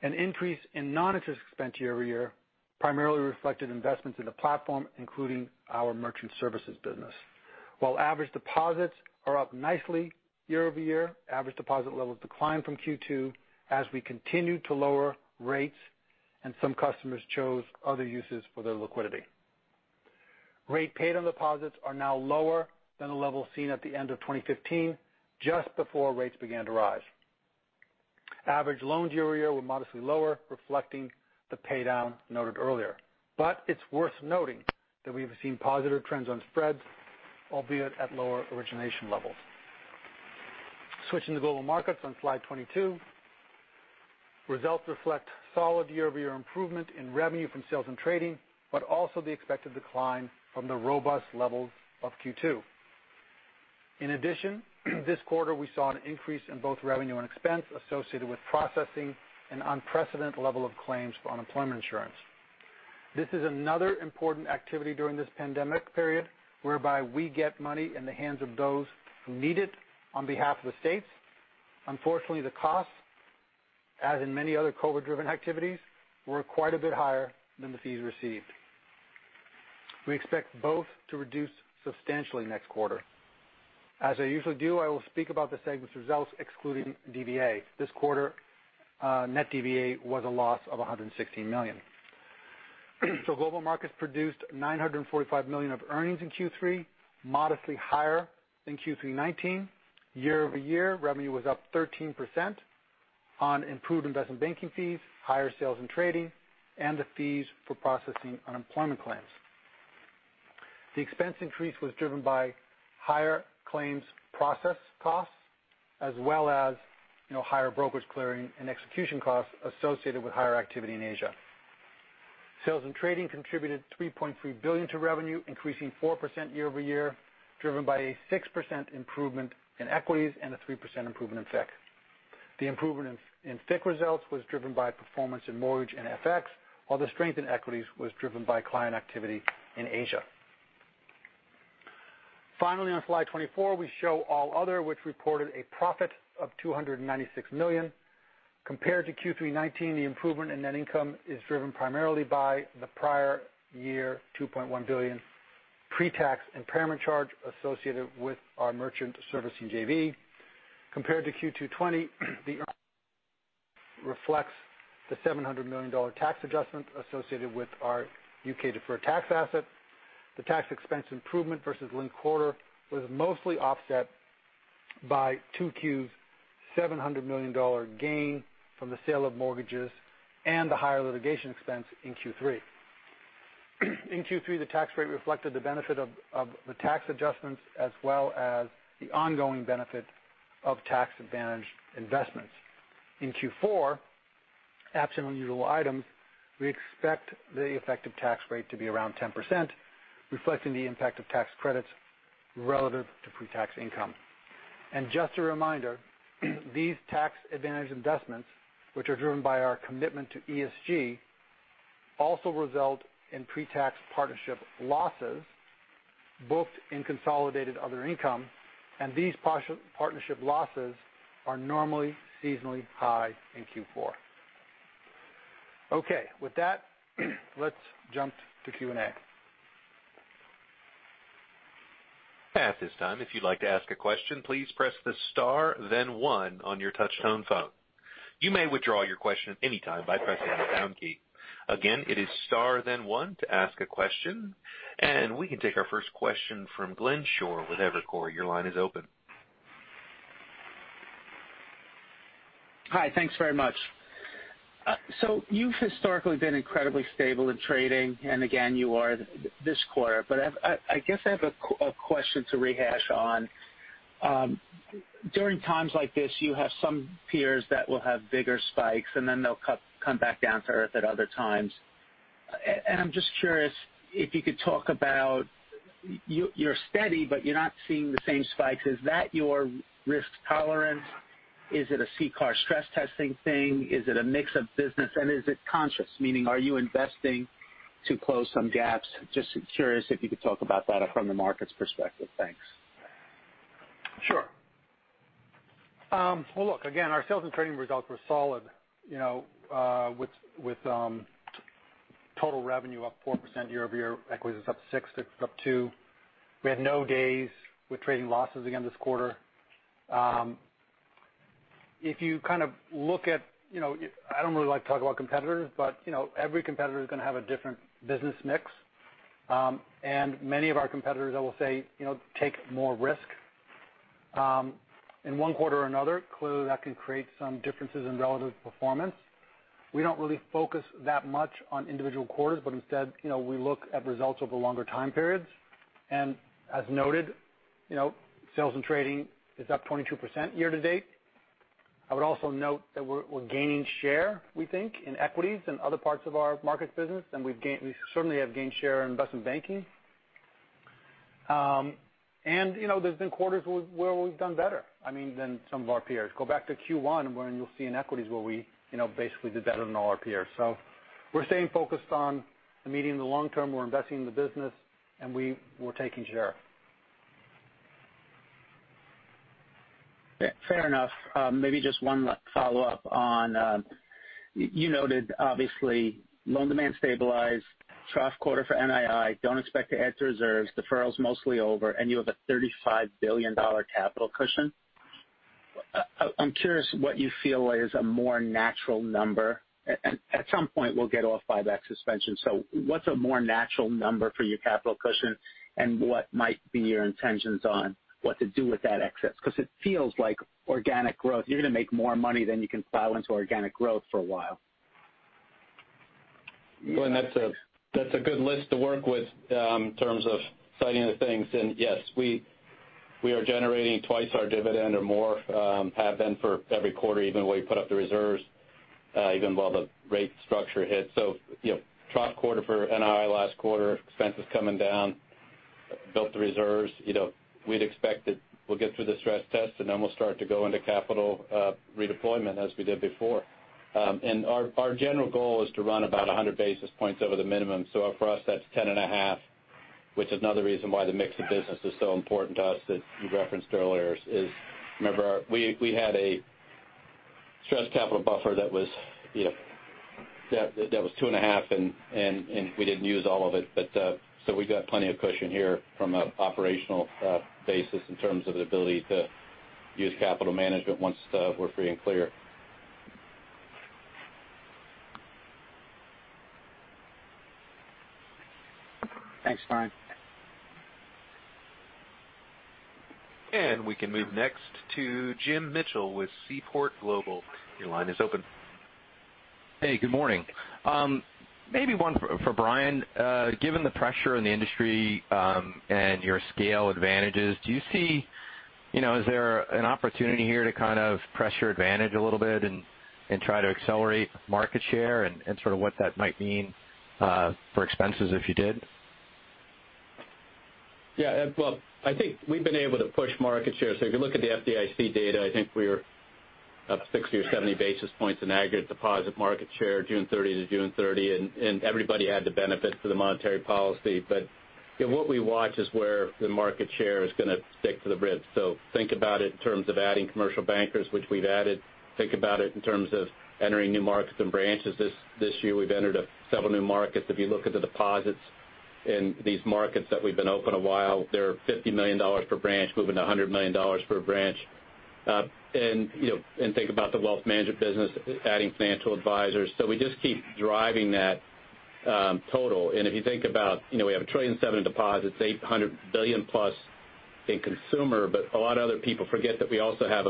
An increase in non-interest expense year-over-year primarily reflected investments in the platform, including our merchant services business. While average deposits are up nicely year-over-year, average deposit levels declined from Q2 as we continued to lower rates and some customers chose other uses for their liquidity. Rate paid on deposits are now lower than the level seen at the end of 2015, just before rates began to rise. Average loans year-over-year were modestly lower, reflecting the pay down noted earlier. It's worth noting that we have seen positive trends on spreads, albeit at lower origination levels. Switching to Global Markets on slide 22. Results reflect solid year-over-year improvement in revenue from sales and trading, also the expected decline from the robust levels of Q2. In addition, this quarter we saw an increase in both revenue and expense associated with processing an unprecedented level of claims for unemployment insurance. This is another important activity during this pandemic period whereby we get money in the hands of those who need it on behalf of the states. Unfortunately, the costs, as in many other COVID-driven activities, were quite a bit higher than the fees received. We expect both to reduce substantially next quarter. As I usually do, I will speak about the segment's results excluding DVA. This quarter, net DVA was a loss of $116 million. Global Markets produced $945 million of earnings in Q3, modestly higher than Q3 2019. Year-over-year, revenue was up 13% on improved investment banking fees, higher sales and trading, and the fees for processing unemployment claims. The expense increase was driven by higher claims process costs as well as, you know, higher brokers clearing and execution costs associated with higher activity in Asia. Sales and trading contributed $3.3 billion to revenue, increasing 4% year-over-year, driven by a 6% improvement in equities and a 3% improvement in FICC. The improvement in FICC results was driven by performance in mortgage and FX, while the strength in equities was driven by client activity in Asia. On slide 24, we show all other which reported a profit of $296 million. Compared to Q3 2019, the improvement in net income is driven primarily by the prior year $2.1 billion pre-tax impairment charge associated with our merchant servicing JV. Compared to Q2 2020, the earnings reflects the $700 million tax adjustment associated with our U.K. deferred tax asset. The tax expense improvement versus linked quarter was mostly offset by 2Q's $700 million gain from the sale of mortgages and the higher litigation expense in Q3. In Q3, the tax rate reflected the benefit of the tax adjustments as well as the ongoing benefit of tax-advantaged investments. In Q4, absent unusual items, we expect the effective tax rate to be around 10%, reflecting the impact of tax credits relative to pre-tax income. Just a reminder, these tax advantage investments, which are driven by our commitment to ESG, also result in pre-tax partnership losses booked in consolidated other income. These partnership losses are normally seasonally high in Q4. Okay. With that, let's jump to Q&A. At this time, if you'd like to ask a question, please press the star then one on your touch-tone phone. You may withdraw your question at any time by pressing the pound key. Again, it is star then one to ask a question. We can take our first question from Glenn Schorr with Evercore. Your line is open. Hi. Thanks very much. You've historically been incredibly stable in trading, and again, you are this quarter. I guess I have a question to rehash on. During times like this, you have some peers that will have bigger spikes, and then they'll come back down to earth at other times. I'm just curious if you could talk about you're steady, but you're not seeing the same spikes. Is that your risk tolerance? Is it a CCAR stress testing thing? Is it a mix of business, and is it conscious? Meaning, are you investing to close some gaps? Just curious if you could talk about that from the market's perspective. Thanks. Sure. Well, look, again, our sales and trading results were solid, you know, with total revenue up 4% year-over-year. Equities is up 6%, FICC's up 2%. We had no days with trading losses again this quarter. If you kind of look at, you know, I don't really like to talk about competitors, but, you know, every competitor is gonna have a different business mix. And many of our competitors, I will say, you know, take more risk in one quarter or another. Clearly, that can create some differences in relative performance. We don't really focus that much on individual quarters, but instead, you know, we look at results over longer time periods. As noted, you know, sales and trading is up 22% year-to-date. I would also note that we're gaining share, we think, in equities and other parts of our markets business, and we certainly have gained share in investment banking. You know, there's been quarters where we've done better, I mean, than some of our peers. Go back to Q1 when you'll see in equities where we, you know, basically did better than all our peers. We're staying focused on meeting the long term. We're investing in the business, and we're taking share. Fair enough. Maybe just one follow-up on, you noted obviously loan demand stabilized, trough quarter for NII, don't expect to add to reserves, deferral's mostly over, and you have a $35 billion capital cushion. I'm curious what you feel is a more natural number. At some point, we'll get off buyback suspension. What's a more natural number for your capital cushion? What might be your intentions on what to do with that excess? It feels like organic growth. You're going to make more money than you can plow into organic growth for a while. Well, that's a good list to work with in terms of citing the things. Yes, we are generating twice our dividend or more, have been for every quarter, even when we put up the reserves, even while the rate structure hits. You know, trough quarter for NII last quarter, expenses coming down, built the reserves. You know, we'd expect that we'll get through the stress test, then we'll start to go into capital redeployment as we did before. Our general goal is to run about 100 basis points over the minimum. For us, that's 10.5, which is another reason why the mix of business is so important to us that you referenced earlier is remember our we had a stress capital buffer that was, you know, that was 2.5 and we didn't use all of it. We've got plenty of cushion here from an operational basis in terms of the ability to use capital management once we're free and clear. Thanks, Brian. And we can move next to Jim Mitchell with Seaport Global. Your line is open. Hey, good morning. Maybe one for Brian. Given the pressure in the industry, and your scale advantages, do you see, you know, is there an opportunity here to kind of press your advantage a little bit and try to accelerate market share and sort of what that might mean for expenses if you did? Well, I think we've been able to push market share. If you look at the FDIC data, I think we were up 60 or 70 basis points in aggregate deposit market share June 30 to June 30, and everybody had the benefit to the monetary policy. You know, what we watch is where the market share is gonna stick to the ribs. Think about it in terms of adding commercial bankers, which we've added. Think about it in terms of entering new markets and branches. This year we've entered several new markets. If you look at the deposits in these markets that we've been open a while, they're $50 million per branch moving to $100 million per branch. And, you know, and think about the wealth management business adding financial advisors. We just keep driving that total. If you think about, you know, we have $1.7 trillion in deposits, $800 billion+ in Consumer Banking. A lot of other people forget that we also have,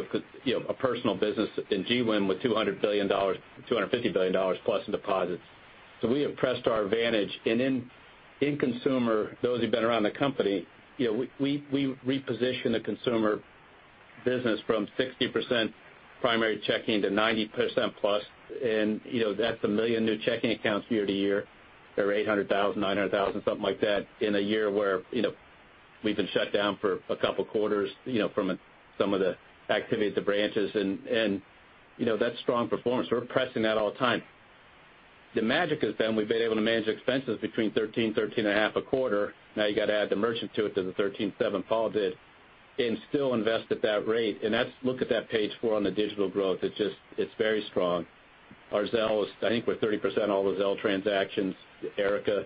you know, a personal business in GWIM with $200 billion, $250 billion+ in deposits. We have pressed our advantage. In Consumer Banking, those who've been around the company, you know, we repositioned the Consumer Banking business from 60% primary checking to 90%+. You know, that's 1 million new checking accounts year-over-year. There were 800,000, 900,000, something like that, in a year where, you know, we've been shut down for a couple quarters, you know, from some of the activity at the branches. You know, that's strong performance. We're pressing that all the time. The magic has been we've been able to manage expenses between $13 billion, $13.5 billion a quarter. You got to add the merchant to it to the $13.7 billion Paul did, and still invest at that rate. Look at that page four on the digital growth. It's just, it's very strong. Our Zelle is, I think we're 30% all the Zelle transactions. Erica,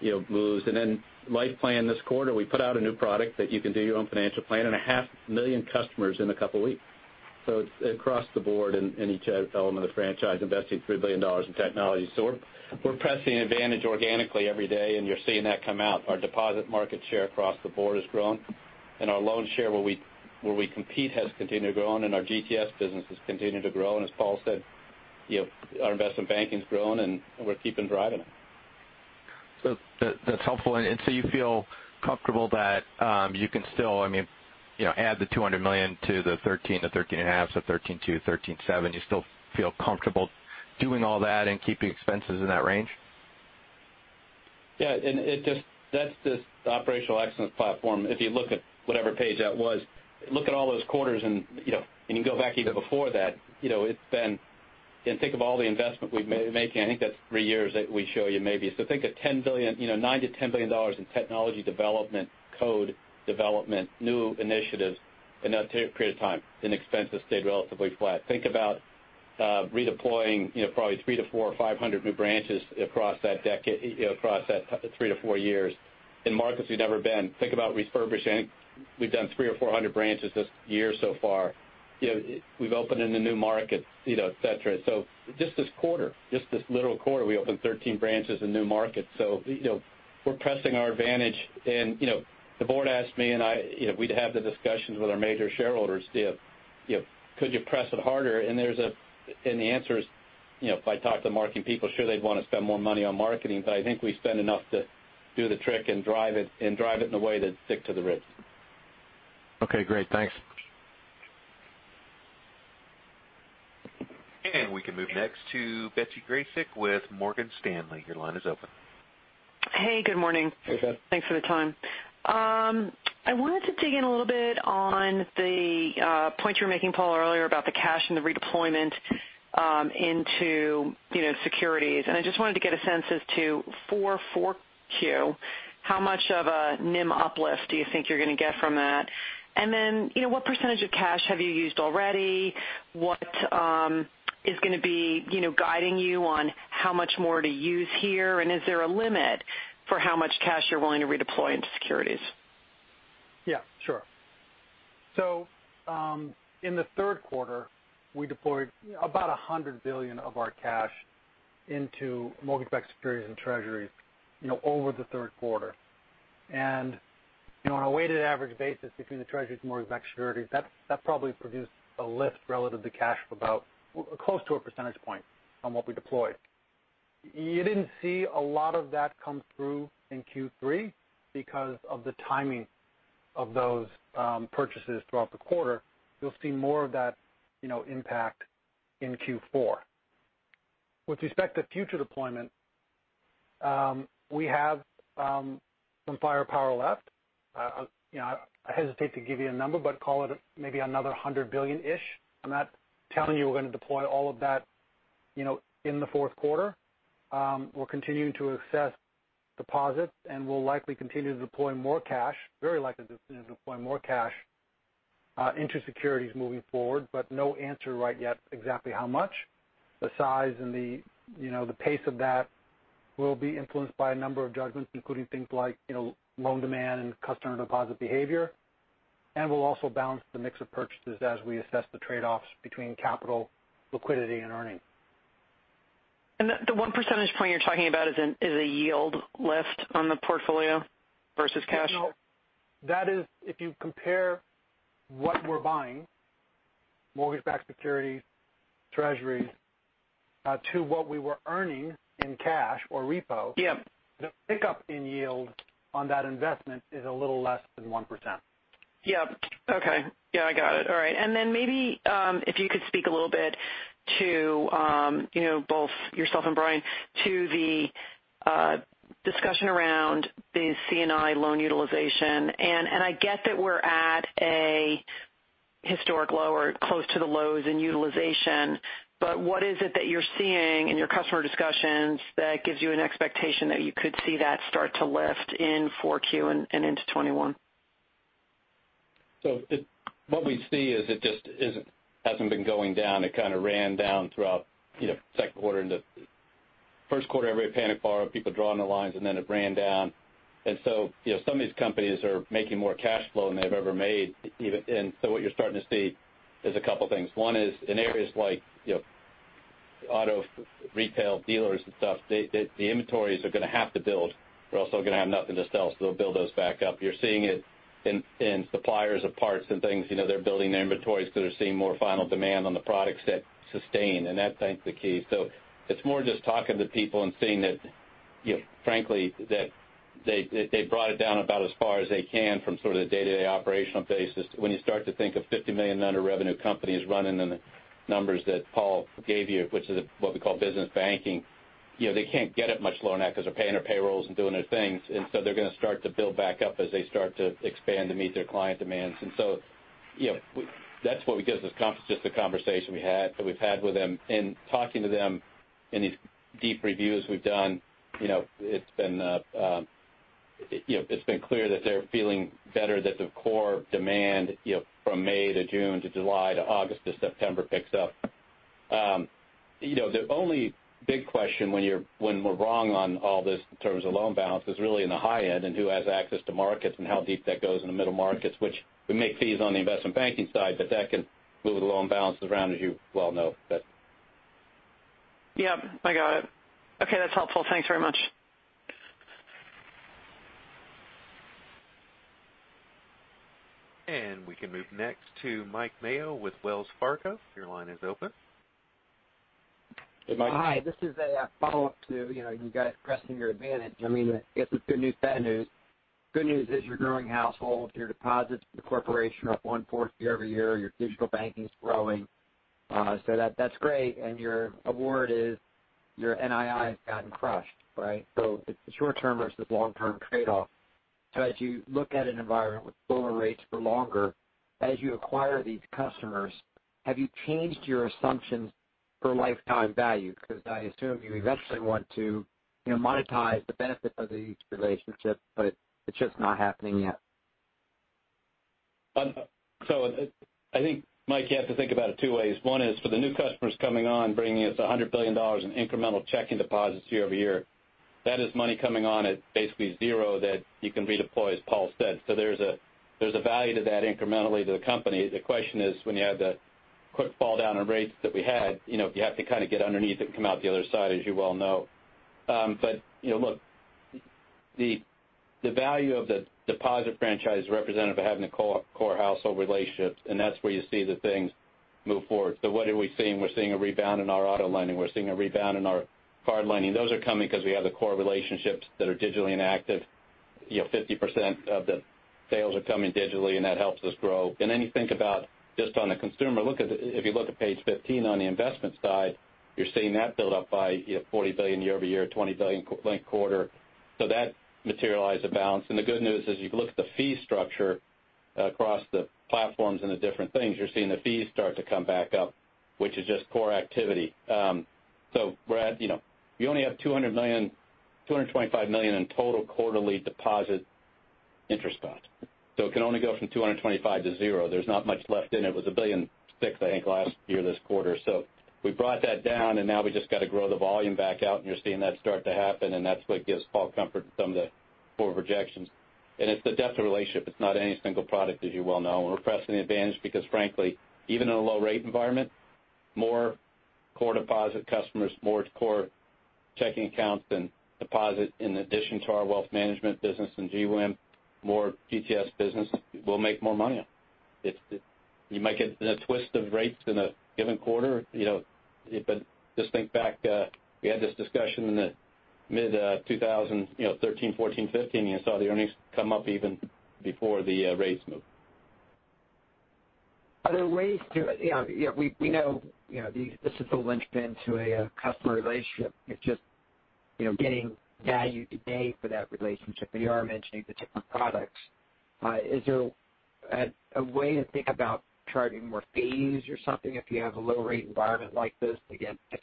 you know, moves. And then, Life Plan this quarter, we put out a new product that you can do your own financial plan, and half a million customers in a couple weeks. It's across the board in each element of the franchise, investing $3 billion in technology. We're pressing advantage organically every day, and you're seeing that come out. Our deposit market share across the board has grown, and our loan share where we compete has continued to grow, and our GTS business has continued to grow. As Paul said, you know, our investment banking's grown, and we're keeping driving it. That, that's helpful. You feel comfortable that, you can still, I mean, you know, add the $200 million to the $13 billion to $13.5 billion, so $13.2 billion, $13.7 billion. You still feel comfortable doing all that and keeping expenses in that range? Yeah. That's just the operational excellence platform. If you look at whatever page that was, look at all those quarters, you know, you go back even before that, you know. Think of all the investment we've making. I think that's years that we show you maybe. Think of $10 billion, you know, $9 billion-$10 billion in technology development, code development, new initiatives in that period of time, expenses stayed relatively flat. Think about redeploying, you know, probably 300-500 new branches across that 3-4 years in markets we've never been. Think about refurbishing. We've done 300-400 branches this year so far. We've opened in the new markets, you know, et cetera. Just this quarter, just this little quarter, we opened 13 branches in new markets. You know, we're pressing our advantage. You know, the board asked me and I, you know, we'd have the discussions with our major shareholders, you know, could you press it harder? The answer is, you know, if I talk to marketing people, sure, they'd want to spend more money on marketing, but I think we spend enough to do the trick and drive it, and drive it in a way that stick to the ribs. Okay, great. Thanks. And we can move next to Betsy Graseck with Morgan Stanley. Your line is open. Hey, good morning. Hey, Bet. Thanks for the time. I wanted to dig in a little bit on the point you were making, Paul, earlier about the cash and the redeployment, into, you know, securities. I just wanted to get a sense as to 4Q, how much of a NIM uplift do you think you're gonna get from that? You know, what percentage of cash have you used already? What is gonna be, you know, guiding you on how much more to use here? Is there a limit for how much cash you're willing to redeploy into securities? Yeah, sure. So, in the third quarter, we deployed about $100 billion of our cash into mortgage-backed securities and treasuries, you know, over the third quarter. You know, on a weighted average basis between the treasuries and mortgage-backed securities, that probably produced a lift relative to cash of about close to a percentage point on what we deployed. You didn't see a lot of that come through in Q3 because of the timing of those purchases throughout the quarter. You'll see more of that, you know, impact in Q4. With respect to future deployment, we have some firepower left. You know, I hesitate to give you a number, but call it maybe another $100 billion-ish. I'm not telling you we're gonna deploy all of that, you know, in the fourth quarter. We're continuing to assess deposits, and we'll likely continue to deploy more cash, very likely continue to deploy more cash, into securities moving forward, but no answer right yet exactly how much. The size and the, you know, the pace of that will be influenced by a number of judgments, including things like, you know, loan demand and customer deposit behavior. We'll also balance the mix of purchases as we assess the trade-offs between capital liquidity and earnings. The 1 percentage point you're talking about is a yield lift on the portfolio versus cash? No. That is if you compare what we're buying, mortgage-backed securities, treasuries, to what we were earning in cash or repo. Yeah. The pickup in yield on that investment is a little less than 1%. Yeah. Okay. Yeah, I got it. All right. Then maybe, if you could speak a little bit to, you know, both yourself and Brian, to the discussion around the C&I loan utilization. I get that we're at a historic low or close to the lows in utilization, but what is it that you're seeing in your customer discussions that gives you an expectation that you could see that start to lift in 4Q and into 2021? What we see is it just hasn't been going down. It kind of ran down throughout, you know, second quarter into first quarter, everybody panicked borrow, people drawing the lines, and then it ran down. You know, some of these companies are making more cash flow than they've ever made even. What you're starting to see is a couple things. One is in areas like, you know, auto retail dealers and stuff, they, the inventories are gonna have to build. They're also gonna have nothing to sell, so they'll build those back up. You're seeing it in suppliers of parts and things. You know, they're building their inventories because they're seeing more final demand on the products that sustain, and that, I think, is the key. It's more just talking to people and seeing that, you know, frankly that they brought it down about as far as they can from sort of the day-to-day operational basis. When you start to think of $50 million under revenue companies running in the numbers that Paul gave you, which is what we call business banking, you know, they can't get it much lower now because they're paying their payrolls and doing their things. They're gonna start to build back up as they start to expand to meet their client demands. You know, that's what we did. It was just a conversation we had, that we've had with them. Talking to them in these deep reviews we've done, you know, it's been, you know, it's been clear that they're feeling better that the core demand, you know, from May to June to July to August to September picks up. You know, the only big question when we're wrong on all this in terms of loan balance is really in the high end and who has access to markets and how deep that goes in the middle markets, which we make fees on the investment banking side, but that can move the loan balances around, as you well know. Yep, I got it. Okay, that's helpful. Thanks very much. And we can move next to Mike Mayo with Wells Fargo. Your line is open. Hey, Mike. Hi, this is a follow-up to, you know, you guys pressing your advantage. I mean, I guess it's good news, bad news. Good news is you're growing households, your deposits, the corporation up 1/4 year-over-year, your digital banking's growing. That's great. Your award is your NII has gotten crushed, right? It's the short term versus long term trade-off. As you look at an environment with lower rates for longer, as you acquire these customers, have you changed your assumptions for lifetime value? Because I assume you eventually want to, you know, monetize the benefit of these relationships, but it's just not happening yet. I think, Mike, you have to think about it two ways. One is for the new customers coming on, bringing us $100 billion in incremental checking deposits year-over-year, that is money coming on at basically zero that you can redeploy, as Paul said. There's a value to that incrementally to the company. The question is, when you have the quick fall down in rates that we had, you know, you have to kind of get underneath it and come out the other side, as you well know. But, you know, look, the value of the deposit franchise is representative of having the core household relationships, and that's where you see the things move forward. What are we seeing? We're seeing a rebound in our auto lending. We're seeing a rebound in our card lending. Those are coming because we have the core relationships that are digitally inactive. You know, 50% of the sales are coming digitally. That helps us grow. You think about just on the consumer, if you look at page 15 on the investment side, you're seeing that build up by, you know, $40 billion year-over-year, $20 billion quarter-linked quarter. That materialized a balance. The good news is, you can look at the fee structure across the platforms and the different things. You're seeing the fees start to come back up, which is just core activity. So Brad, you know, you only have $200 million, $225 million in total quarterly deposit interest costs. It can only go from $225 to zero. There's not much left in it. It was $1.6 billion, I think, last year this quarter. We brought that down, and now we just got to grow the volume back out, and you're seeing that start to happen, and that's what gives Paul comfort in some of the forward projections. It's the depth of relationship. It's not any single product, as you well know. We're pressing the advantage because frankly, even in a low rate environment, more core deposit customers, more core checking accounts than deposit in addition to our wealth management business in GWIM, more GTS business, we'll make more money on. You might get a twist of rates in a given quarter, you know. Just think back, we had this discussion in the mid-2000, you know, 2013, 2014, 2015. You saw the earnings come up even before the rates moved. Are there ways to, you know, we know, you know, this is the linchpin to a customer relationship. It's just, you know, getting value today for that relationship. You are mentioning the different products. Is there a way to think about charging more fees or something if you have a low rate environment like this to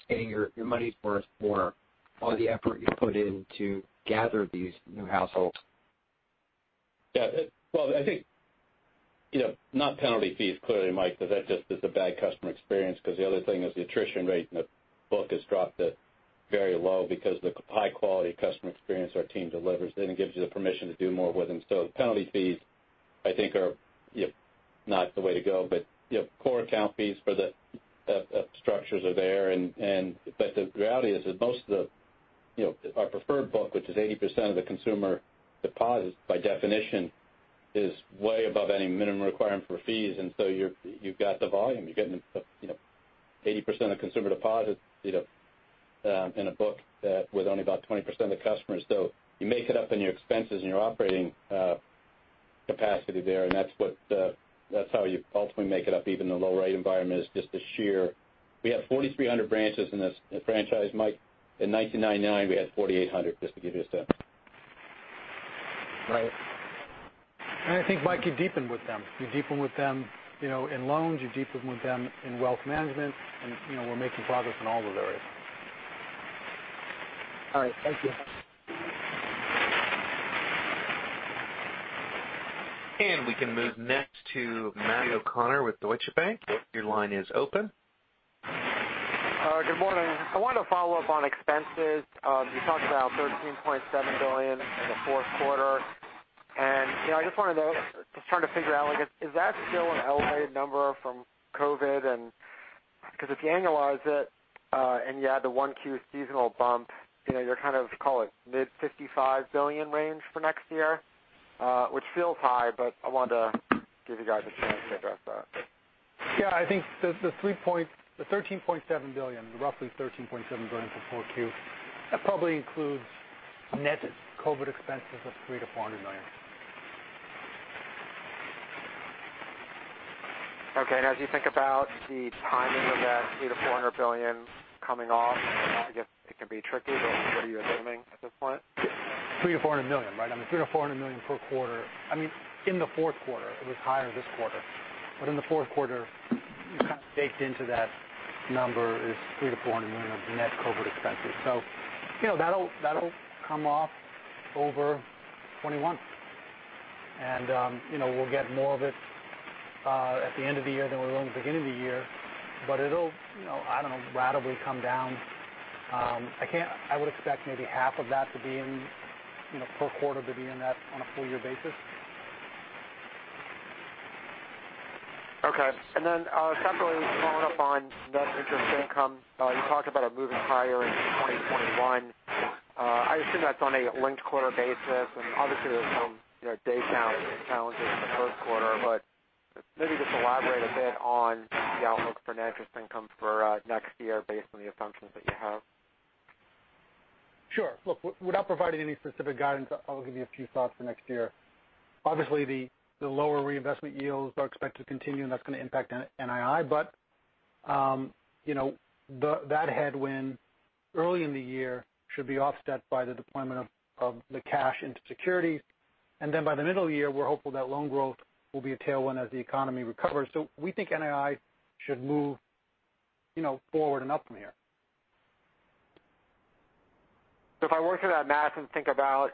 getting your money's worth for all the effort you put in to gather these new households? Well, I think, you know, not penalty fees, clearly, Mike, because that just is a bad customer experience because the other thing is the attrition rate in the book has dropped to very low because the high quality customer experience our team delivers, then it gives you the permission to do more with them. Penalty fees, I think are, you know, not the way to go. You know, core account fees for the structures are there. The reality is that most of the, you know, our preferred book, which is 80% of the consumer deposits by definition, is way above any minimum requirement for fees. You've got the volume. You're getting the, you know, 80% of consumer deposits, you know, in a book with only about 20% of the customers. You make it up in your expenses and your operating capacity there. That's how you ultimately make it up even in a low rate environment is just the sheer. We have 4,300 branches in this franchise, Mike. In 1999, we had 4,800, just to give you a sense. Right. I think, Mike, you deepen with them. You deepen with them, you know, in loans. You deepen with them in wealth management. You know, we're making progress in all those areas. All right. Thank you. And we can move next to Matthew O'Connor with Deutsche Bank. Your line is open. Good morning. I wanted to follow up on expenses. You talked about $13.7 billion in the fourth quarter. You know, just trying to figure out, like, is that still an elevated number from COVID and because if you annualize it, and you add the 1Q seasonal bump, you know, you're kind of, call it, mid-$55 billion range for next year, which feels high, but I wanted to give you guys a chance to address that. Yeah, I think the $13.7 billion, the roughly $13.7 billion for Q4, that probably includes net COVID expenses of $300 million-$400 million. Okay. As you think about the timing of that $300 billion-$400 billion coming off, I guess it can be tricky, but what are you assuming at this point? $300 million-$400 million, right? I mean, $300 million-$400 million per quarter. I mean, in the fourth quarter, it was higher this quarter. In the fourth quarter, kind of baked into that number is $300 million-$400 million of net COVID expenses. You know, that'll come off over 2021. You know, we'll get more of it at the end of the year than we will in the beginning of the year. It'll, you know, I don't know, ratably come down. I would expect maybe half of that to be in, you know, per quarter to be in that on a full year basis. Okay. Separately following up on net interest income. You talked about it moving higher in 2021. I assume that's on a linked quarter basis. There's some, you know, day count challenges in the first quarter. Maybe just elaborate a bit on the outlook for net interest income for next year based on the assumptions that you have. Sure. Look, without providing any specific guidance, I'll give you a few thoughts for next year. Obviously, the lower reinvestment yields are expected to continue, and that's going to impact NII. You know, that headwind early in the year should be offset by the deployment of the cash into securities. By the middle of the year, we're hopeful that loan growth will be a tailwind as the economy recovers. We think NII should move, you know, forward and up from here. If I work through that math and think about,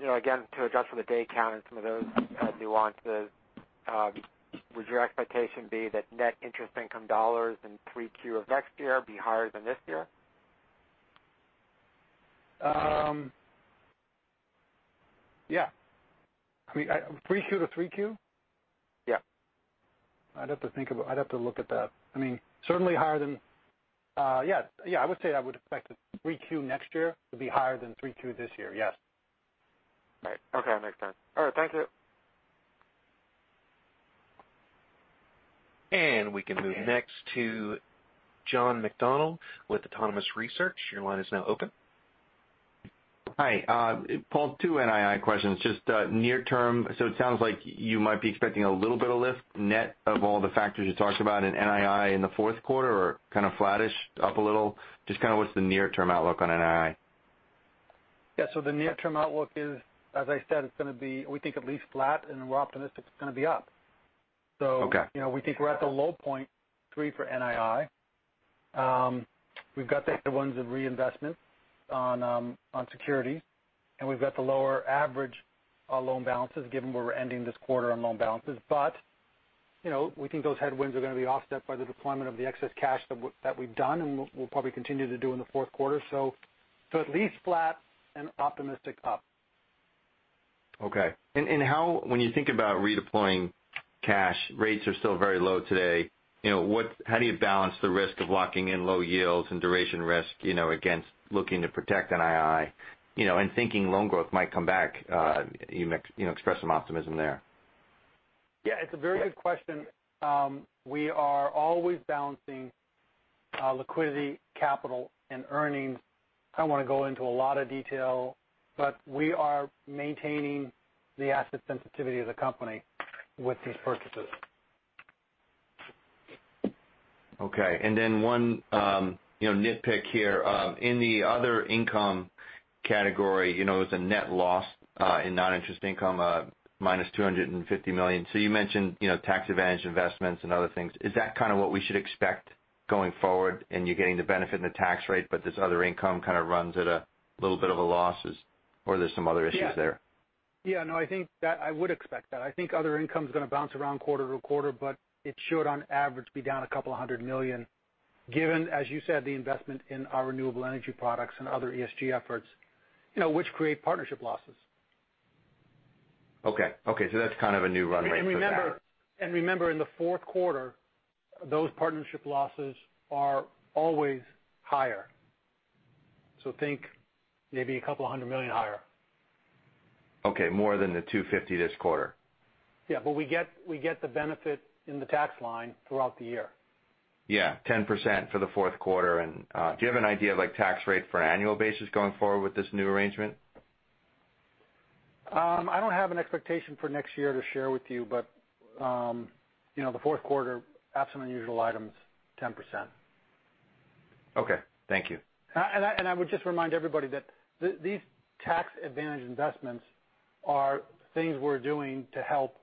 you know, again, to adjust for the day count and some of those as you want the, would your expectation be that net interest income dollars in 3Q of next year be higher than this year? Yeah, I mean, 3Q to 3Q? Yeah. I'd have to look at that. I mean, certainly higher than. Yes. Yeah, I would say I would expect that 3Q next year would be higher than 3Q this year. Yes. Right. Okay, makes sense. All right, thank you. And we can move next to John McDonald with Autonomous Research. Your line is now open. Hi. Paul, two NII questions. Just near term, it sounds like you might be expecting a little bit of lift net of all the factors you talked about in NII in the fourth quarter or kind of flattish up a little. Just kind of what's the near-term outlook on NII? Yeah. The near-term outlook is, as I said, it's gonna be we think at least flat, and we're optimistic it's gonna be up. Okay. You know, we think we're at the low point 3% for NII. We've got the other ones of reinvestment on securities, and we've got the lower average loan balances given where we're ending this quarter on loan balances. You know, we think those headwinds are gonna be offset by the deployment of the excess cash that we've done and we'll probably continue to do in the fourth quarter. At least flat and optimistic up. Okay. How when you think about redeploying cash, rates are still very low today. You know, what how do you balance the risk of locking in low yields and duration risk, you know, against looking to protect NII, you know, and thinking loan growth might come back? You know, expressed some optimism there. Yeah, it's a very good question. We are always balancing liquidity, capital, and earnings. I don't wanna go into a lot of detail, but we are maintaining the asset sensitivity of the company with these purchases. Okay. And then, one, you know, nitpick here. In the other income category, you know, it was a net loss in non-interest income, -$250 million. You mentioned, you know, tax advantage investments and other things. Is that kind of what we should expect going forward? You're getting the benefit in the tax rate, but this other income kind of runs at a little bit of a loss, or there's some other issues there? Yeah. Yeah, no, I think that I would expect that. I think other income's gonna bounce around quarter to quarter, but it should on average be down $200 million, given, as you said, the investment in our renewable energy products and other ESG efforts, you know, which create partnership losses. Okay. Okay, that's kind of a new runway for that. Remember, in the fourth quarter, those partnership losses are always higher. So, think maybe a couple of 100 million higher. Okay, more than $250 million this quarter. Yeah. We get the benefit in the tax line throughout the year. Yeah, 10% for the fourth quarter. Do you have an idea of, like, tax rate for an annual basis going forward with this new arrangement? I don't have an expectation for next year to share with you, but, you know, the fourth quarter, absent unusual items, 10%. Okay. Thank you. I would just remind everybody that these tax advantage investments are things we're doing to help,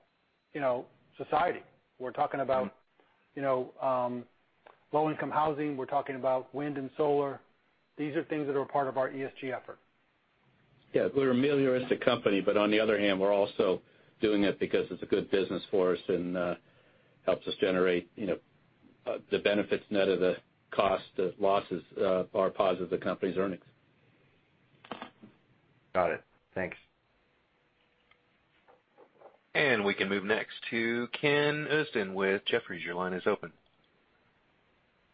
you know, society. We're talking about, you know, low income housing. We're talking about wind and solar. These are things that are part of our ESG effort. We're an amelioristic company, but on the other hand, we're also doing it because it's a good business for us and helps us generate, you know, the benefits net of the cost, the losses, or positive the company's earnings. Got it. Thanks. And we can move next to Kenneth Usdin with Jefferies. Your line is open.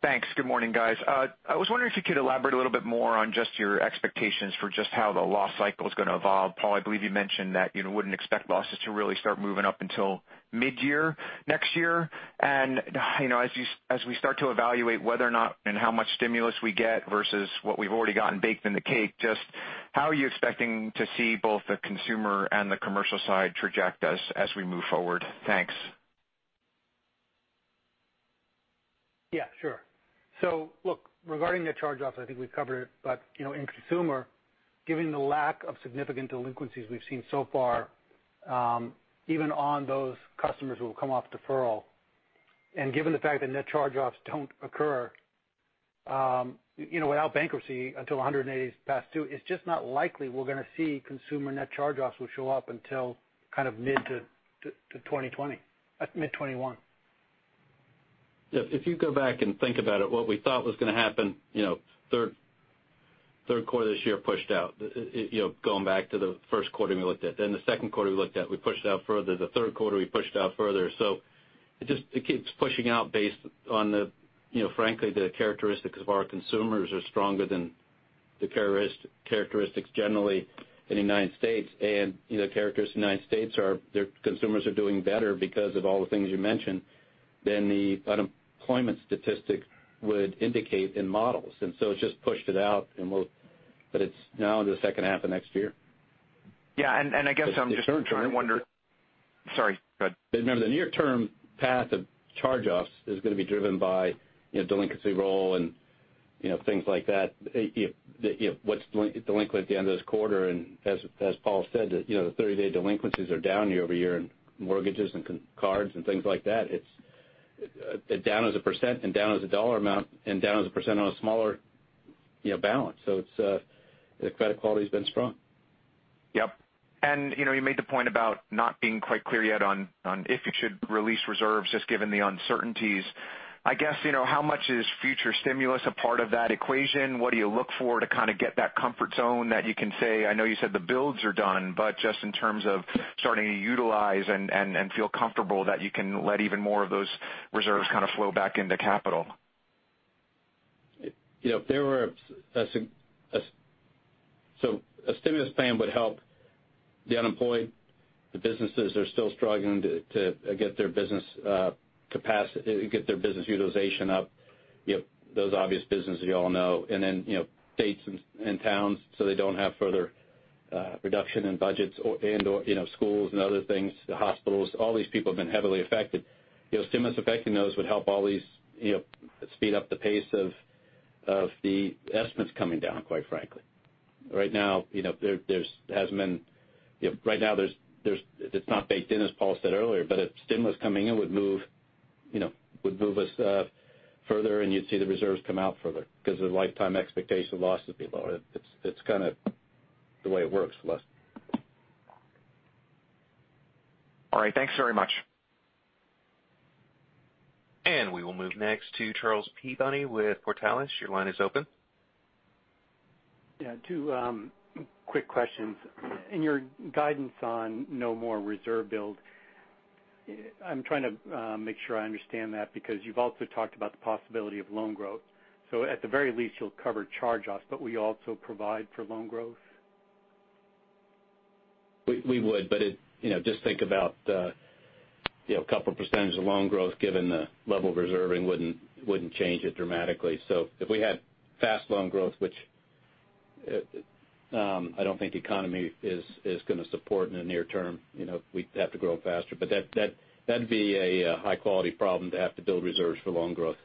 Thanks. Good morning, guys. I was wondering if you could elaborate a little bit more on just your expectations for just how the loss cycle is gonna evolve. Paul, I believe you mentioned that you wouldn't expect losses to really start moving up until mid-year next year. You know, as we start to evaluate whether or not and how much stimulus we get versus what we've already gotten baked in the cake, just how are you expecting to see both the consumer and the commercial side traject us as we move forward? Thanks. Yeah, sure. Regarding the charge-offs, I think we've covered it. You know, in consumer, given the lack of significant delinquencies we've seen so far, even on those customers who will come off deferral, and given the fact that net charge-offs don't occur, you know, without bankruptcy until 180 days past due, it's just not likely we're gonna see consumer net charge-offs will show up until kind of mid-2020, mid-2021. Yeah. If you go back and think about it, what we thought was gonna happen, you know, third quarter this year pushed out. You know, going back to the first quarter we looked at. The second quarter we looked at, we pushed it out further. The third quarter, we pushed it out further. It keeps pushing out based on the, you know, frankly, the characteristics of our consumers are stronger than the characteristics generally in the United States. And, you know, characteristics of the United States are their consumers are doing better because of all the things you mentioned than the unemployment statistic would indicate in models. It's just pushed it out, but it's now into the second half of next year. Yeah, I guess I'm just trying to. The short-term- Sorry, go ahead. Remember, the near-term path of charge-offs is gonna be driven by, you know, delinquency roll and, you know, things like that. If, you know, what's delinquent at the end of this quarter. As Paul said that, you know, the 30-day delinquencies are down year-over-year in mortgages and cards and things like that. It's down as a percent and down as a dollar amount and down as a percent on a smaller, you know, balance. So, it's the credit quality's been strong. Yep. You know, you made the point about not being quite clear yet on if you should release reserves, just given the uncertainties. I guess, you know, how much is future stimulus a part of that equation? What do you look for to kind of get that comfort zone that you can say, I know you said the builds are done, but just in terms of starting to utilize and feel comfortable that you can let even more of those reserves kind of flow back into capital. You know, if there were a stimulus plan would help the unemployed. The businesses are still struggling to get their business utilization up. You know, those obvious businesses you all know. States and towns so they don't have further reduction in budgets or, and/or, you know, schools and other things, the hospitals, all these people have been heavily affected. Stimulus affecting those would help all these, speed up the pace of the estimates coming down, quite frankly. Right now, you know, there hasn't been, you know, right now there's it's not baked in, as Paul said earlier. If stimulus coming in would move, you know, would move us further and you'd see the reserves come out further because the lifetime expectation of loss would be lower. It's kind of the way it works less. All right. Thanks very much. And we will move next to Charles Peabody with Portales. Your line is open. Yeah, two quick questions. In your guidance on no more reserve build, I'm trying to make sure I understand that because you've also talked about the possibility of loan growth. At the very least, you'll cover charge-offs, but will you also provide for loan growth? We would. It, you know, just think about, you know, a couple percentage of loan growth given the level of reserving wouldn't change it dramatically. If we had fast loan growth, which I don't think the economy is gonna support in the near term, you know, we'd have to grow faster. That'd be a high quality problem to have to build reserves for loan growth.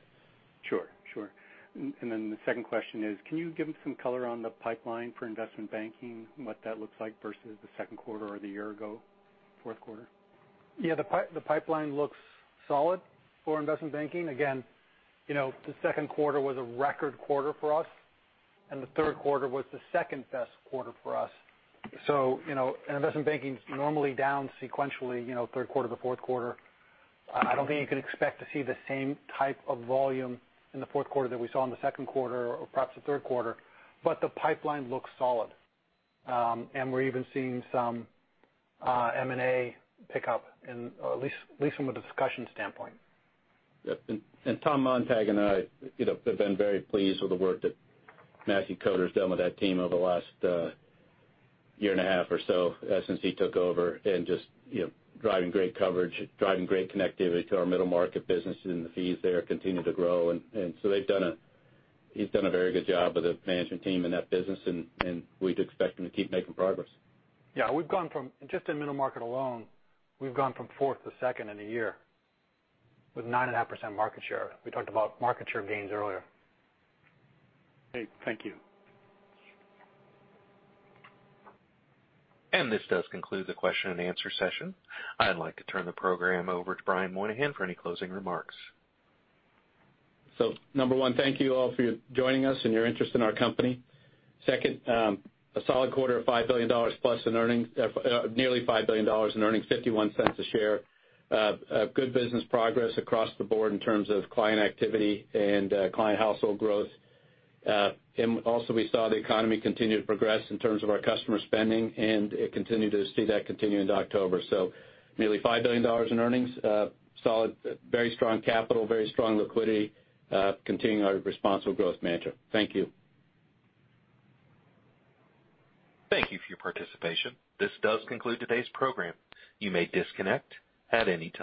Sure, sure. The second question is, can you give some color on the pipeline for investment banking, what that looks like versus the second quarter or the year ago, fourth quarter? The pipeline looks solid for investment banking. Again, you know, the second quarter was a record quarter for us, and the third quarter was the second-best quarter for us. So, you know, investment banking's normally down sequentially, you know, third quarter to fourth quarter. I don't think you can expect to see the same type of volume in the fourth quarter that we saw in the second quarter or perhaps the third quarter. The pipeline looks solid. We're even seeing some M&A pickup in, or at least from a discussion standpoint. Yep. Tom Montag and I, you know, have been very pleased with the work that Matthew Koder's done with that team over the last year and a half or so since he took over and just, you know, driving great coverage, driving great connectivity to our middle market business and the fees there continue to grow. He's done a very good job with the management team in that business, and we'd expect him to keep making progress. Yeah. We've gone from just in middle market alone, we've gone from fourth to second in a year with 9.5% market share. We talked about market share gains earlier. Great. Thank you. And this does conclude the question-and-answer session. I'd like to turn the program over to Brian Moynihan for any closing remarks. Number one, thank you all for joining us and your interest in our company. Second, a solid quarter of $5 billion+ in earnings. Nearly $5 billion in earnings, $0.51 a share. A good business progress across the board in terms of client activity and client household growth. And also, we saw the economy continue to progress in terms of our customer spending, and it continued to see that continue into October. So, nearly $5 billion in earnings. Solid, very strong capital, very strong liquidity, continuing our responsible growth mantra. Thank you. Thank you for your participation. This does conclude today's program. You may disconnect at any time.